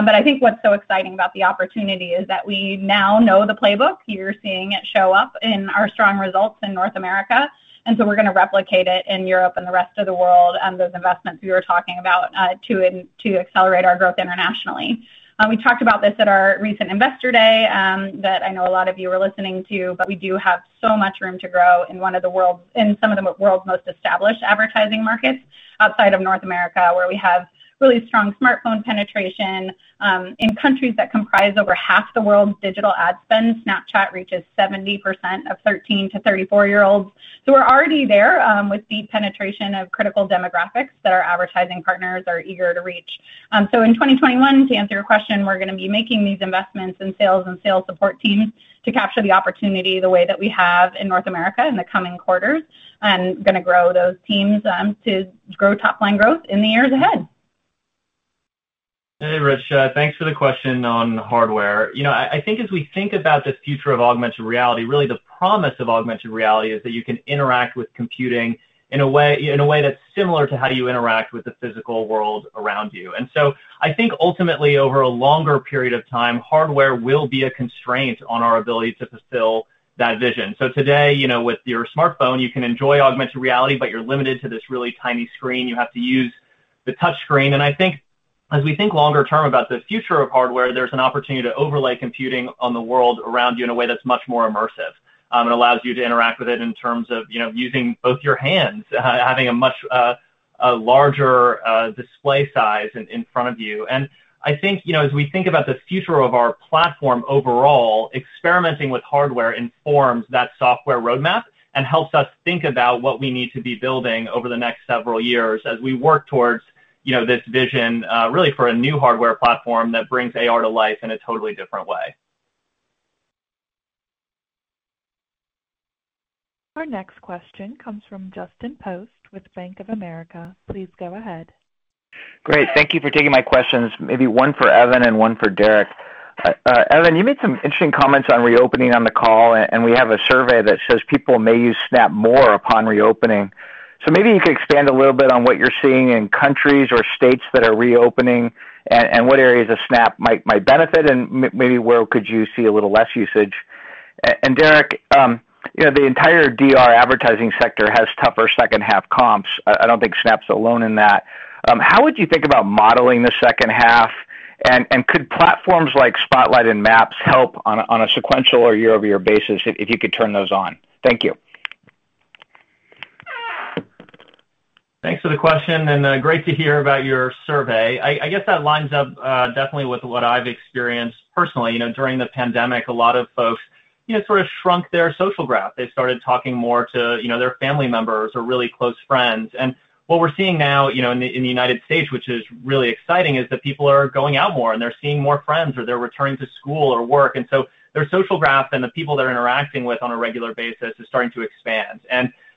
vertical. I think what's so exciting about the opportunity is that we now know the playbook. You're seeing it show up in our strong results in North America, and so we're going to replicate it in Europe and the rest of the world and those investments we were talking about to accelerate our growth internationally. We talked about this at our recent Investor Day, that I know a lot of you were listening to, but we do have so much room to grow in some of the world's most established advertising markets outside of North America, where we have really strong smartphone penetration. In countries that comprise over half the world's digital ad spend, Snapchat reaches 70% of 13-34-year-olds. We're already there with deep penetration of critical demographics that our advertising partners are eager to reach. In 2021, to answer your question, we're going to be making these investments in sales and sales support teams to capture the opportunity the way that we have in North America in the coming quarters and going to grow those teams to grow top-line growth in the years ahead. Hey, Rich. Thanks for the question on hardware. I think as we think about the future of augmented reality, really the promise of augmented reality is that you can interact with computing in a way that's similar to how you interact with the physical world around you. I think ultimately over a longer period of time, hardware will be a constraint on our ability to fulfill that vision. Today, with your smartphone, you can enjoy augmented reality, but you're limited to this really tiny screen. You have to use the touch screen, and I think as we think longer term about the future of hardware, there's an opportunity to overlay computing on the world around you in a way that's much more immersive and allows you to interact with it in terms of using both your hands, having a much larger display size in front of you. I think, as we think about the future of our platform overall, experimenting with hardware informs that software roadmap and helps us think about what we need to be building over the next several years as we work towards this vision really for a new hardware platform that brings AR to life in a totally different way. Our next question comes from Justin Post with Bank of America. Please go ahead. Great. Thank you for taking my questions. Maybe one for Evan and one for Derek. Evan, you made some interesting comments on reopening on the call, and we have a survey that says people may use Snap more upon reopening. Maybe you could expand a little bit on what you're seeing in countries or states that are reopening and what areas of Snap might benefit, and maybe where could you see a little less usage? Derek, the entire DR advertising sector has tougher second half comps. I don't think Snap's alone in that. How would you think about modeling the second half? Could platforms like Spotlight and Snap Map help on a sequential or year-over-year basis if you could turn those on? Thank you. Thanks for the question. Great to hear about your survey. I guess that lines up definitely with what I've experienced personally. During the pandemic, a lot of folks sort of shrunk their social graph. They started talking more to their family members or really close friends. What we're seeing now in the U.S., which is really exciting, is that people are going out more, and they're seeing more friends, or they're returning to school or work. Their social graph and the people they're interacting with on a regular basis is starting to expand.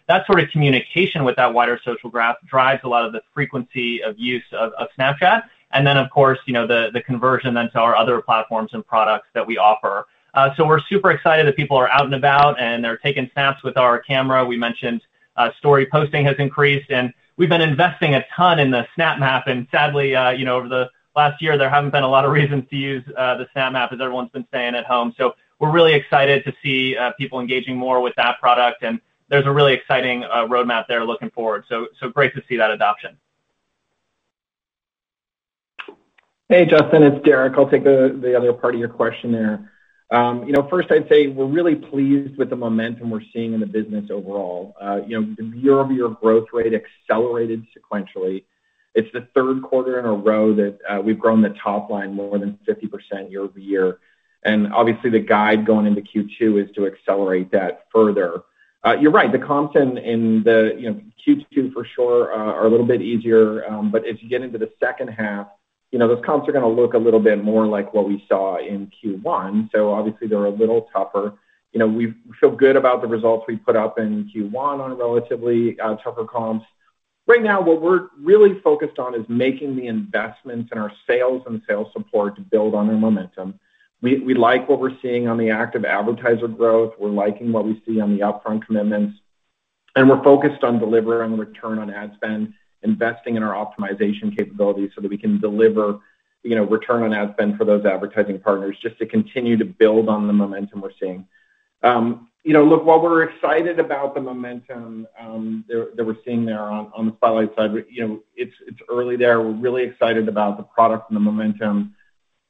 That sort of communication with that wider social graph drives a lot of the frequency of use of Snapchat. Of course, the conversion then to our other platforms and products that we offer. We're super excited that people are out and about, and they're taking Snaps with our camera. We mentioned Story posting has increased, and we've been investing a ton in the Snap Map. Sadly, over the last year, there haven't been a lot of reasons to use the Snap Map as everyone's been staying at home. We're really excited to see people engaging more with that product, and there's a really exciting roadmap there looking forward. Great to see that adoption. Hey, Justin, it's Derek. I'll take the other part of your question there. First I'd say we're really pleased with the momentum we're seeing in the business overall. The year-over-year growth rate accelerated sequentially. It's the third quarter in a row that we've grown the top line more than 50% year-over-year. Obviously the guide going into Q2 is to accelerate that further. You're right, the comps in Q2 for sure are a little bit easier. As you get into the second half, those comps are going to look a little bit more like what we saw in Q1, so obviously they're a little tougher. We feel good about the results we put up in Q1 on a relatively tougher comps. Right now, what we're really focused on is making the investments in our sales and sales support to build on the momentum. We like what we're seeing on the active advertiser growth. We're liking what we see on the upfront commitments. We're focused on delivering return on ad spend, investing in our optimization capabilities so that we can deliver return on ad spend for those advertising partners just to continue to build on the momentum we're seeing. Look, while we're excited about the momentum that we're seeing there on the Spotlight side, it's early there. We're really excited about the product and the momentum.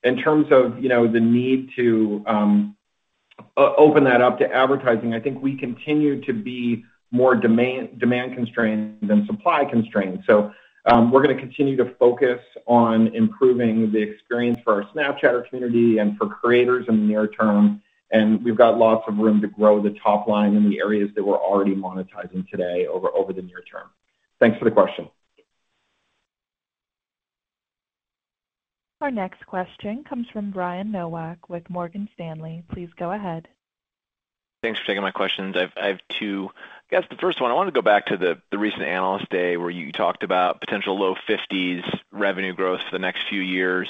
In terms of the need to open that up to advertising, I think we continue to be more demand-constrained than supply-constrained. We're going to continue to focus on improving the experience for our Snapchatter community and for creators in the near term. We've got lots of room to grow the top line in the areas that we're already monetizing today over the near term. Thanks for the question. Our next question comes from Brian Nowak with Morgan Stanley. Please go ahead. Thanks for taking my questions. I have two. I guess the first one, I wanted to go back to the recent Investor Day where you talked about potential low 50s revenue growth for the next few years,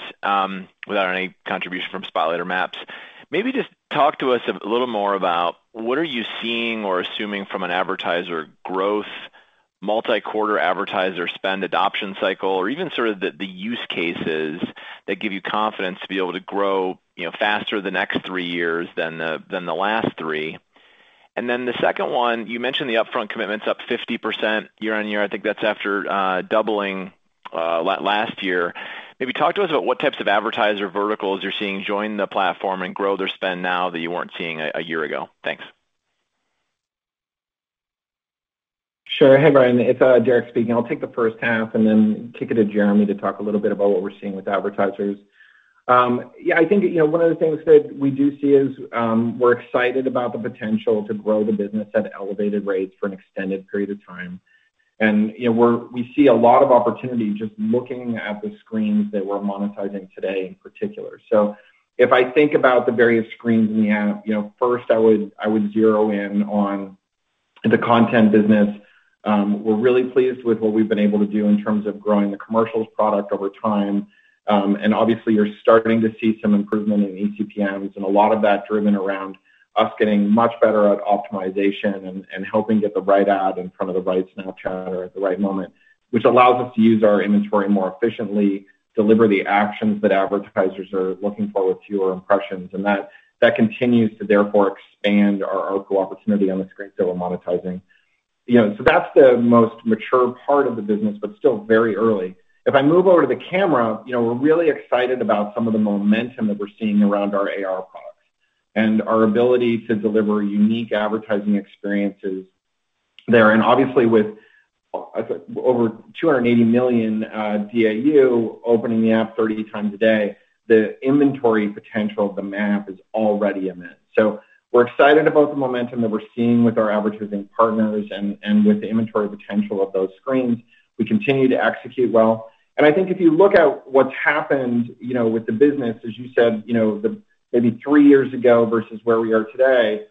without any contribution from Spotlight or Snap Map. Maybe just talk to us a little more about what are you seeing or assuming from an advertiser growth multi-quarter advertiser spend adoption cycle, or even sort of the use cases that give you confidence to be able to grow faster the next three years than the last three. The second one, you mentioned the upfront commitments up 50% year-on-year. I think that's after doubling last year. Maybe talk to us about what types of advertiser verticals you're seeing join the platform and grow their spend now that you weren't seeing a year ago. Thanks. Sure. Hey, Brian, it's Derek Andersen speaking. I'll take the first half and then kick it to Jeremi to talk a little bit about what we're seeing with advertisers. Yeah, I think one of the things that we do see is we're excited about the potential to grow the business at elevated rates for an extended period of time. We see a lot of opportunity just looking at the screens that we're monetizing today in particular. If I think about the various screens in the app, first I would zero in on the content business. We're really pleased with what we've been able to do in terms of growing the Commercials product over time. Obviously you're starting to see some improvement in eCPMs, and a lot of that driven around us getting much better at optimization and helping get the right ad in front of the right Snapchatter at the right moment, which allows us to use our inventory more efficiently, deliver the actions that advertisers are looking for with fewer impressions. That continues to therefore expand our ARPU opportunity on the screens that we're monetizing. That's the most mature part of the business, but still very early. If I move over to the camera, we're really excited about some of the momentum that we're seeing around our AR products and our ability to deliver unique advertising experiences there. Obviously with over 280 million DAU opening the app 30 times a day, the inventory potential of the Snap Map is already immense. We're excited about the momentum that we're seeing with our advertising partners and with the inventory potential of those screens. We continue to execute well. I think if you look at what's happened with the business, as you said, maybe three years ago versus where we are today,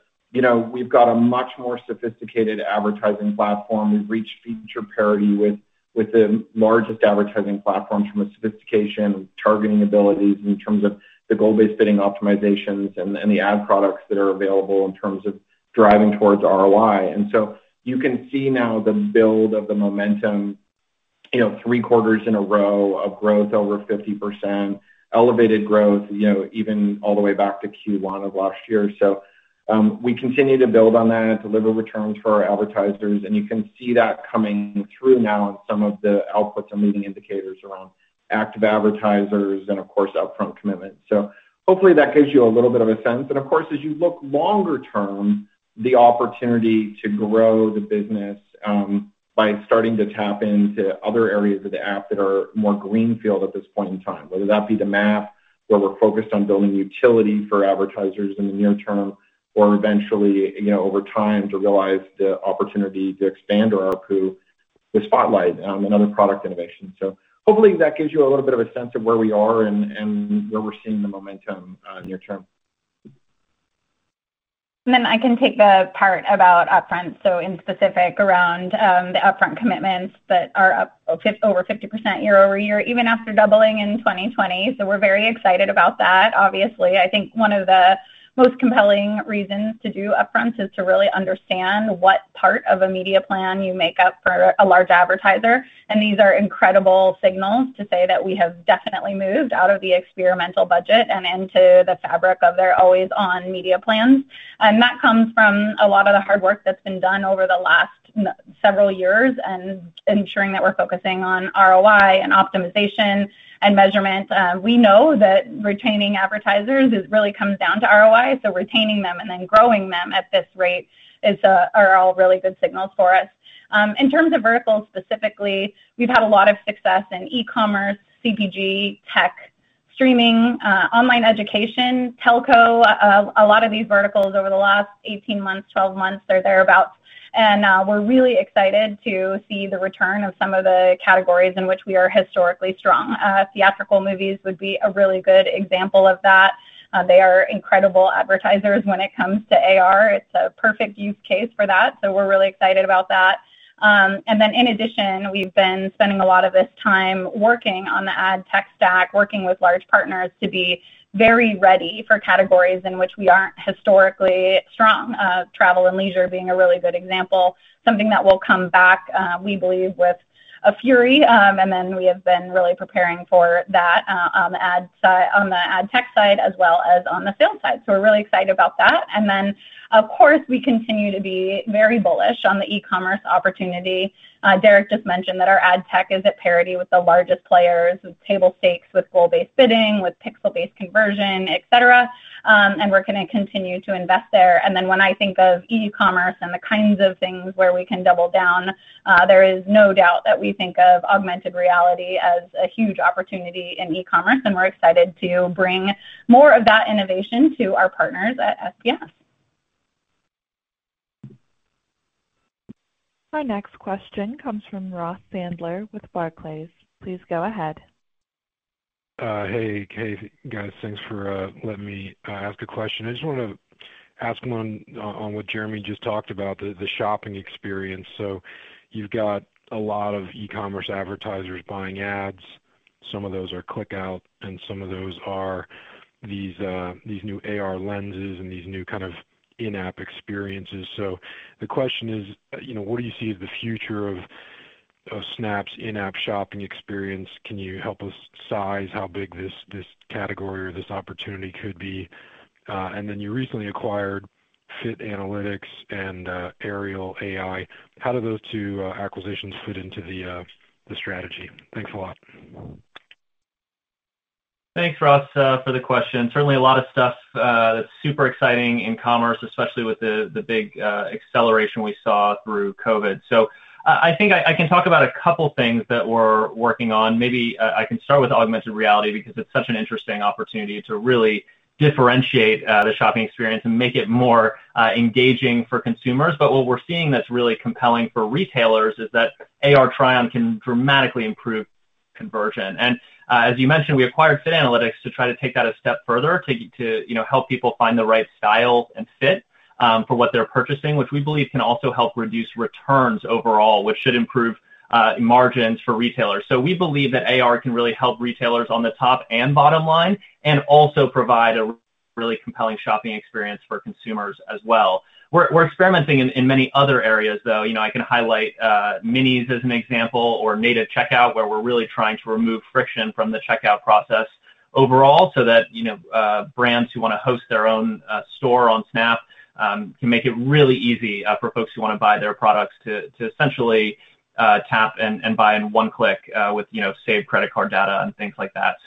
we've got a much more sophisticated advertising platform. We've reached feature parity with the largest advertising platforms from a sophistication, targeting abilities in terms of the goal-based bidding optimizations and the ad products that are available in terms of driving towards ROI. You can see now the build of the momentum three quarters in a row of growth over 50%, elevated growth even all the way back to Q1 of last year. We continue to build on that and deliver returns for our advertisers, and you can see that coming through now in some of the outputs and leading indicators around active advertisers and of course, upfront commitments. Hopefully that gives you a little bit of a sense. Of course, as you look longer term, the opportunity to grow the business by starting to tap into other areas of the app that are more greenfield at this point in time, whether that be the Map, where we're focused on building utility for advertisers in the near term, or eventually, over time, to realize the opportunity to expand our ARPU with Spotlight and other product innovations. Hopefully that gives you a little bit of a sense of where we are and where we're seeing the momentum near term. I can take the part about upfront. In specific around the upfront commitments that are up over 50% year-over-year, even after doubling in 2020. We're very excited about that, obviously. I think one of the most compelling reasons to do upfronts is to really understand what part of a media plan you make up for a large advertiser. These are incredible signals to say that we have definitely moved out of the experimental budget and into the fabric of their always-on media plans. That comes from a lot of the hard work that's been done over the last several years ensuring that we're focusing on ROI and optimization and measurement. We know that retaining advertisers, it really comes down to ROI. Retaining them and then growing them at this rate are all really good signals for us. In terms of verticals specifically, we've had a lot of success in e-commerce, CPG, tech, streaming, online education, telco, a lot of these verticals over the last 18 months, 12 months or thereabout. We're really excited to see the return of some of the categories in which we are historically strong. Theatrical movies would be a really good example of that. They are incredible advertisers when it comes to AR. It's a perfect use case for that, we're really excited about that. In addition, we've been spending a lot of this time working on the ad tech stack, working with large partners to be very ready for categories in which we aren't historically strong. Travel and leisure being a really good example, something that will come back, we believe, with a fury. We have been really preparing for that on the ad tech side as well as on the field side. We're really excited about that. Of course, we continue to be very bullish on the e-commerce opportunity. Derek just mentioned that our ad tech is at parity with the largest players. It's table stakes with goal-based bidding, with pixel-based conversion, et cetera, and we're going to continue to invest there. When I think of e-commerce and the kinds of things where we can double down, there is no doubt that we think of augmented reality as a huge opportunity in e-commerce, and we're excited to bring more of that innovation to our partners at SPS. Our next question comes from Ross Sandler with Barclays. Please go ahead. Hey. Hey, guys. Thanks for letting me ask a question. I just want to ask one on what Jeremi just talked about, the shopping experience. You've got a lot of e-commerce advertisers buying ads. Some of those are click out, and some of those are these new AR lenses and these new kind of in-app experiences. The question is, what do you see as the future of Snap's in-app shopping experience? Can you help us size how big this category or this opportunity could be? You recently acquired Fit Analytics and Ariel AI. How do those two acquisitions fit into the strategy? Thanks a lot. Thanks, Ross, for the question. Certainly a lot of stuff that's super exciting in commerce, especially with the big acceleration we saw through COVID. I think I can talk about a couple things that we're working on. Maybe I can start with augmented reality because it's such an interesting opportunity to really differentiate the shopping experience and make it more engaging for consumers. What we're seeing that's really compelling for retailers is that AR try-on can dramatically improve conversion. As you mentioned, we acquired Fit Analytics to try to take that a step further to help people find the right style and fit for what they're purchasing, which we believe can also help reduce returns overall, which should improve margins for retailers. We believe that AR can really help retailers on the top and bottom line and also provide a really compelling shopping experience for consumers as well. We're experimenting in many other areas, though. I can highlight Minis as an example, or Native Checkout, where we're really trying to remove friction from the checkout process overall so that brands who want to host their own store on Snap can make it really easy for folks who want to buy their products to essentially tap and buy in one click with saved credit card data and things like that.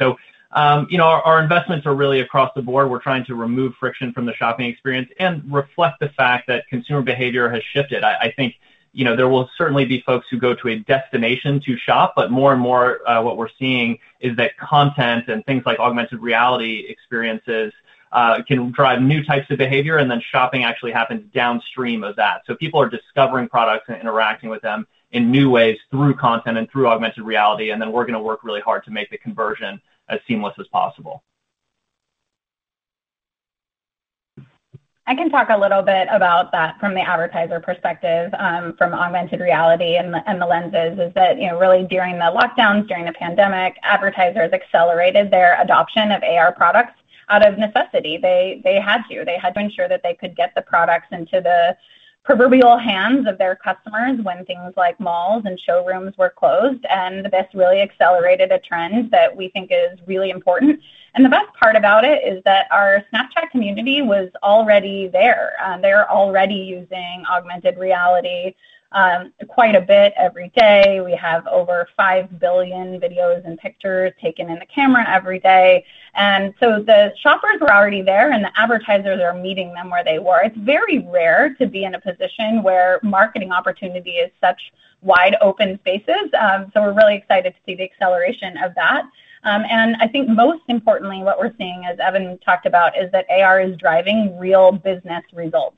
Our investments are really across the board. We're trying to remove friction from the shopping experience and reflect the fact that consumer behavior has shifted. I think there will certainly be folks who go to a destination to shop, but more and more, what we're seeing is that content and things like augmented reality experiences can drive new types of behavior, and then shopping actually happens downstream of that. People are discovering products and interacting with them in new ways through content and through augmented reality, and then we're going to work really hard to make the conversion as seamless as possible. I can talk a little bit about that from the advertiser perspective from augmented reality and the Lenses, is that really during the lockdowns, during the pandemic, advertisers accelerated their adoption of AR products out of necessity. They had to. They had to ensure that they could get the products into the proverbial hands of their customers when things like malls and showrooms were closed, and this really accelerated a trend that we think is really important. The best part about it is that our Snapchat community was already there. They were already using augmented reality quite a bit every day. We have over 5 billion videos and pictures taken in the camera every day. So the shoppers were already there, and the advertisers are meeting them where they were. It's very rare to be in a position where marketing opportunity is such wide open spaces. We're really excited to see the acceleration of that. I think most importantly, what we're seeing, as Evan talked about, is that AR is driving real business results.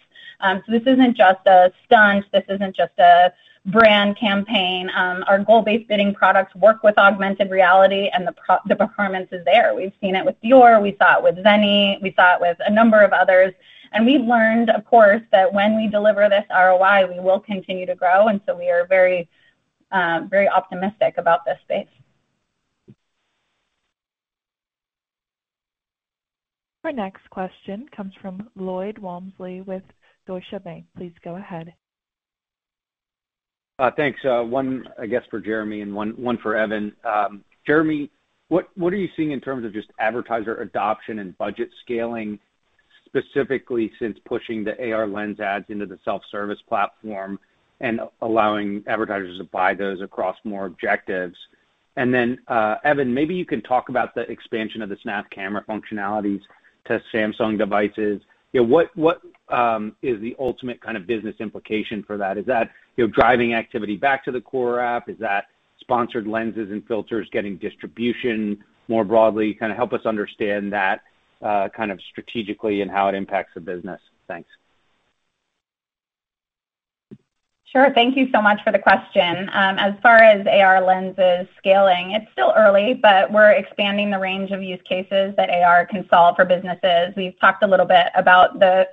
This isn't just a stunt. This isn't just a brand campaign. Our goal-based bidding products work with augmented reality, and the performance is there. We've seen it with Dior, we saw it with Zenni, we saw it with a number of others. We've learned, of course, that when we deliver this ROI, we will continue to grow, and so we are very optimistic about this space. Our next question comes from Lloyd Walmsley with Deutsche Bank. Please go ahead. Thanks. One, I guess, for Jeremi and one for Evan. Jeremi, what are you seeing in terms of just advertiser adoption and budget scaling. Specifically since pushing the AR Lens ads into the self-service platform and allowing advertisers to buy those across more objectives. Evan, maybe you can talk about the expansion of the Snap Camera functionalities to Samsung devices. What is the ultimate kind of business implication for that? Is that driving activity back to the core app? Is that sponsored Lenses and filters getting distribution more broadly? Help us understand that strategically and how it impacts the business. Thanks. Sure. Thank you so much for the question. As far as AR Lenses scaling, it's still early, but we're expanding the range of use cases that AR can solve for businesses. We've talked a little bit about the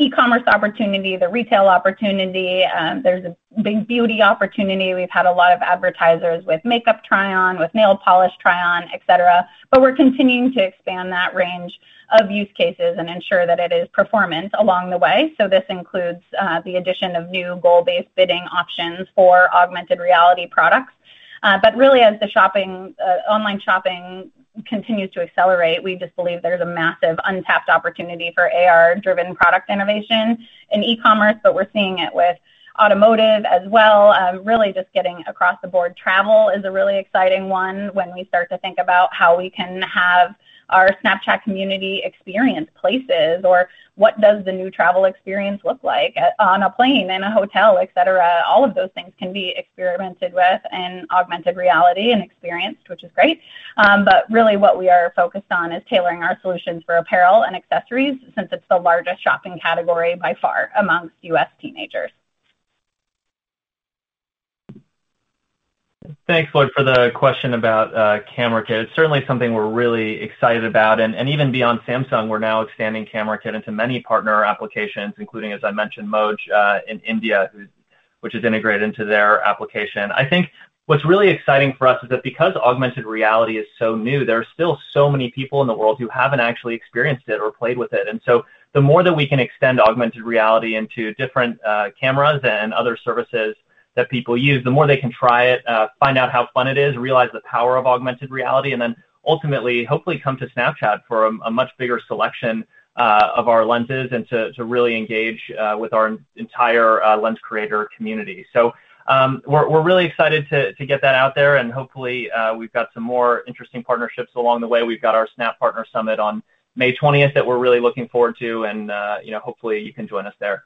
e-commerce opportunity, the retail opportunity. There's a big beauty opportunity. We've had a lot of advertisers with makeup try-on, with nail polish try-on, et cetera. We're continuing to expand that range of use cases and ensure that it is performance along the way. This includes the addition of new goal-based bidding options for augmented reality products. Really, as the online shopping continues to accelerate, we just believe there's a massive untapped opportunity for AR-driven product innovation in e-commerce. We're seeing it with automotive as well. Really just getting across the board. Travel is a really exciting one when we start to think about how we can have our Snapchat community experience places or what does the new travel experience look like on a plane, in a hotel, et cetera. All of those things can be experimented with in augmented reality and experienced, which is great. Really what we are focused on is tailoring our solutions for apparel and accessories, since it's the largest shopping category by far amongst U.S. teenagers. Thanks, Lloyd, for the question about Camera Kit. Even beyond Samsung, we're now expanding Camera Kit into many partner applications, including, as I mentioned, Moj in India, which is integrated into their application. I think what's really exciting for us is that because augmented reality is so new, there are still so many people in the world who haven't actually experienced it or played with it. The more that we can extend augmented reality into different cameras and other services that people use, the more they can try it, find out how fun it is, realize the power of augmented reality, then ultimately, hopefully come to Snapchat for a much bigger selection of our lenses and to really engage with our entire lens creator community. We're really excited to get that out there and hopefully we've got some more interesting partnerships along the way. We've got our Snap Partner Summit on May 20th that we're really looking forward to and hopefully you can join us there.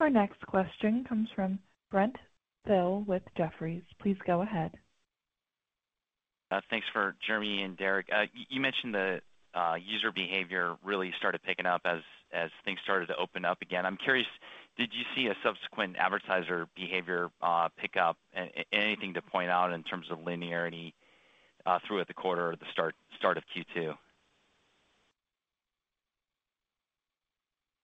Our next question comes from Brent Thill with Jefferies. Please go ahead. Thanks for Jeremi and Derek Andersen. You mentioned the user behavior really started picking up as things started to open up again. I'm curious, did you see a subsequent advertiser behavior pick up? Anything to point out in terms of linearity throughout the quarter or the start of Q2?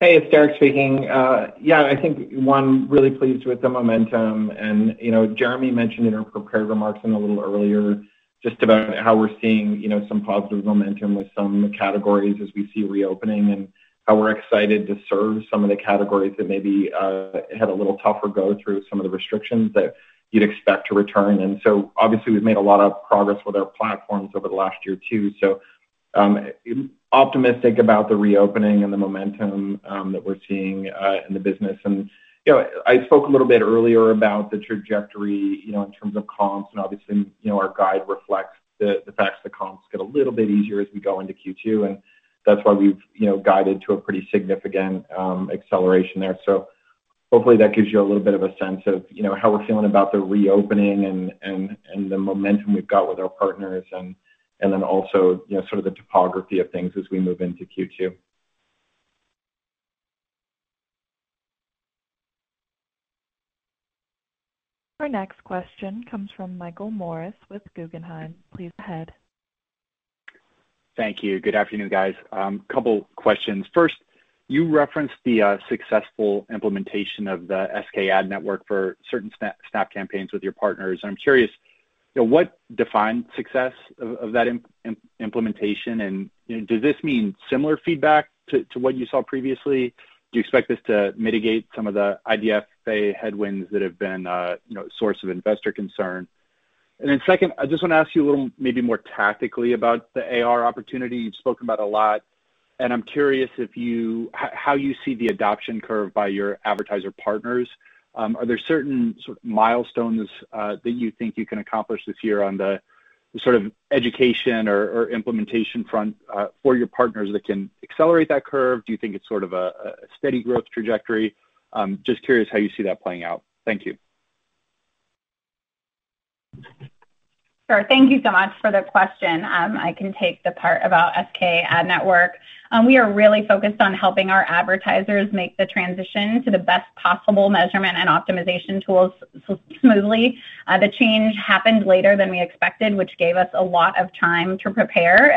Hey, it's Derek speaking. Yeah, I think one, really pleased with the momentum and Jeremi mentioned in our prepared remarks and a little earlier just about how we're seeing some positive momentum with some categories as we see reopening and how we're excited to serve some of the categories that maybe had a little tougher go through some of the restrictions that you'd expect to return. I spoke a little bit earlier about the trajectory in terms of comps and obviously our guide reflects the fact the comps get a little bit easier as we go into Q2, and that's why we've guided to a pretty significant acceleration there. Hopefully that gives you a little bit of a sense of how we're feeling about the reopening and the momentum we've got with our partners and then also sort of the topography of things as we move into Q2. Our next question comes from Michael Morris with Guggenheim. Please go ahead. Thank you. Good afternoon, guys. Couple questions. First, you referenced the successful implementation of the SKAdNetwork for certain Snap campaigns with your partners, I'm curious, what defines success of that implementation? Does this mean similar feedback to what you saw previously? Do you expect this to mitigate some of the IDFA headwinds that have been a source of investor concern? Second, I just want to ask you a little maybe more tactically about the AR opportunity. You've spoken about it a lot, and I'm curious how you see the adoption curve by your advertiser partners. Are there certain sort of milestones that you think you can accomplish this year on the sort of education or implementation front for your partners that can accelerate that curve? Do you think it's sort of a steady growth trajectory? Just curious how you see that playing out. Thank you. Sure. Thank you so much for the question. I can take the part about SKAdNetwork. We are really focused on helping our advertisers make the transition to the best possible measurement and optimization tools smoothly. The change happened later than we expected, which gave us a lot of time to prepare.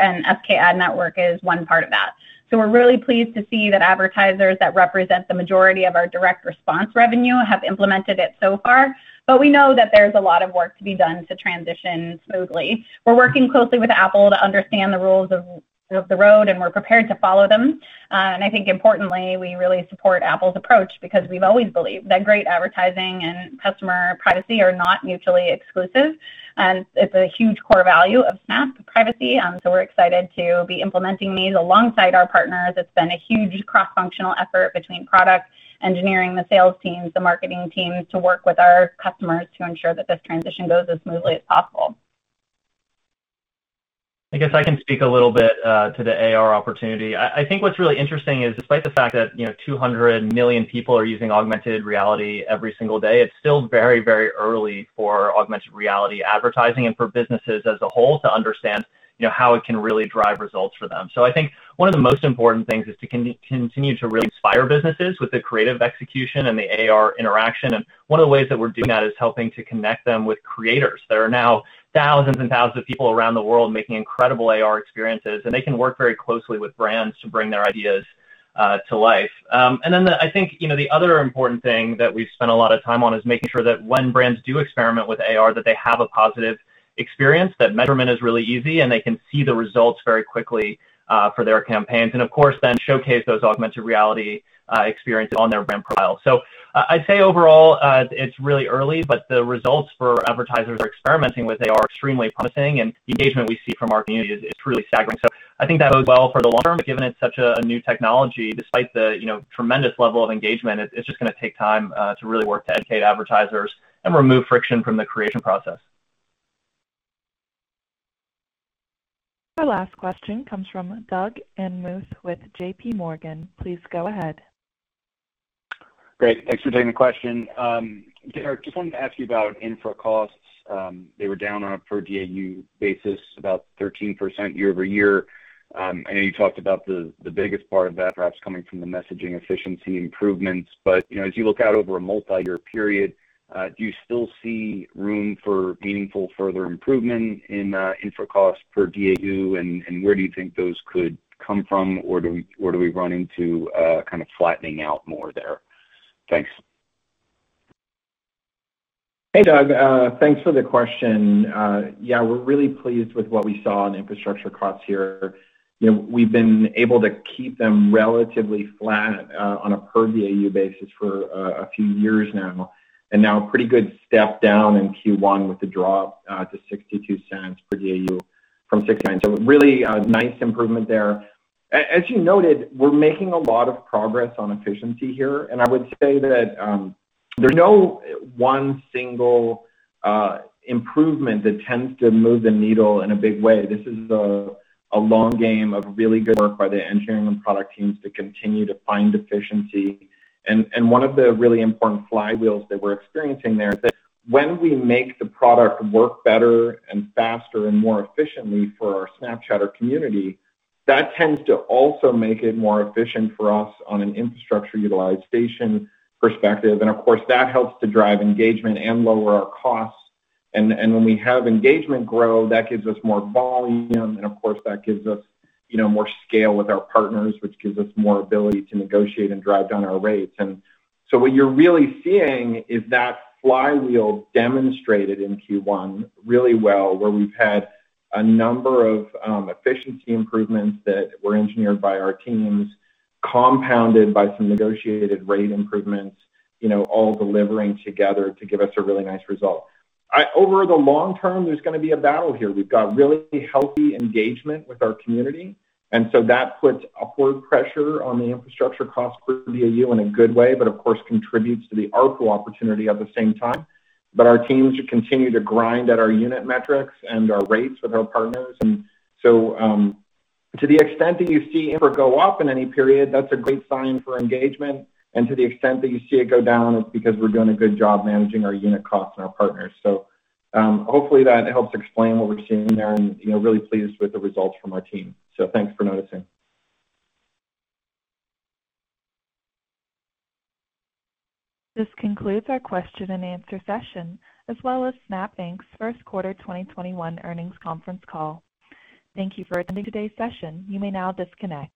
SKAdNetwork is one part of that. We're really pleased to see that advertisers that represent the majority of our direct response revenue have implemented it so far, but we know that there's a lot of work to be done to transition smoothly. We're working closely with Apple to understand the rules of the road, we're prepared to follow them. I think importantly, we really support Apple's approach because we've always believed that great advertising and customer privacy are not mutually exclusive. It's a huge core value of Snap, privacy. We're excited to be implementing these alongside our partners. It's been a huge cross-functional effort between product engineering, the sales teams, the marketing teams, to work with our customers to ensure that this transition goes as smoothly as possible. I guess I can speak a little bit to the AR opportunity. I think what's really interesting is despite the fact that 200 million people are using augmented reality every single day, it's still very early for augmented reality advertising and for businesses as a whole to understand how it can really drive results for them. I think one of the most important things is to continue to really inspire businesses with the creative execution and the AR interaction. One of the ways that we're doing that is helping to connect them with creators. There are now thousands and thousands of people around the world making incredible AR experiences, and they can work very closely with brands to bring their ideas to life. I think the other important thing that we've spent a lot of time on is making sure that when brands do experiment with AR, that they have a positive experience, that measurement is really easy, and they can see the results very quickly for their campaigns. Of course, then showcase those augmented reality experiences on their Business Profile. I'd say overall, it's really early, but the results for advertisers experimenting with AR are extremely promising, and the engagement we see from our community is truly staggering. I think that bodes well for the long term, but given it's such a new technology, despite the tremendous level of engagement, it's just going to take time to really work to educate advertisers and remove friction from the creation process. Our last question comes from Doug Anmuth with JPMorgan. Please go ahead. Great. Thanks for taking the question. Derek, just wanted to ask you about infra costs. They were down on a per DAU basis about 13% year-over-year. I know you talked about the biggest part of that perhaps coming from the messaging efficiency improvements. As you look out over a multi-year period, do you still see room for meaningful further improvement in infra cost per DAU? Where do you think those could come from, or do we run into kind of flattening out more there? Thanks. Hey, Doug. Thanks for the question. We're really pleased with what we saw on infrastructure costs here. We've been able to keep them relatively flat on a per DAU basis for a few years now. Now a pretty good step down in Q1 with the drop to $0.62 per DAU from $0.69. Really a nice improvement there. As you noted, we're making a lot of progress on efficiency here, and I would say that there's no one single improvement that tends to move the needle in a big way. This is a long game of really good work by the engineering and product teams to continue to find efficiency. One of the really important flywheels that we're experiencing there is that when we make the product work better and faster and more efficiently for our Snapchatter community, that tends to also make it more efficient for us on an infrastructure utilization perspective. Of course, that helps to drive engagement and lower our costs. When we have engagement grow, that gives us more volume, and of course, that gives us more scale with our partners, which gives us more ability to negotiate and drive down our rates. What you're really seeing is that flywheel demonstrated in Q1 really well, where we've had a number of efficiency improvements that were engineered by our teams, compounded by some negotiated rate improvements all delivering together to give us a really nice result. Over the long term, there's going to be a battle here. We've got really healthy engagement with our community, that puts upward pressure on the infrastructure cost per DAU in a good way, but of course contributes to the ARPU opportunity at the same time. Our teams continue to grind at our unit metrics and our rates with our partners. To the extent that you see infra go up in any period, that's a great sign for engagement, and to the extent that you see it go down, it's because we're doing a good job managing our unit costs and our partners. Hopefully that helps explain what we're seeing there and really pleased with the results from our team. Thanks for noticing. This concludes our question-and-answer session, as well as Snap Inc.'s first quarter 2021 earnings conference call. Thank you for attending today's session. You may now disconnect.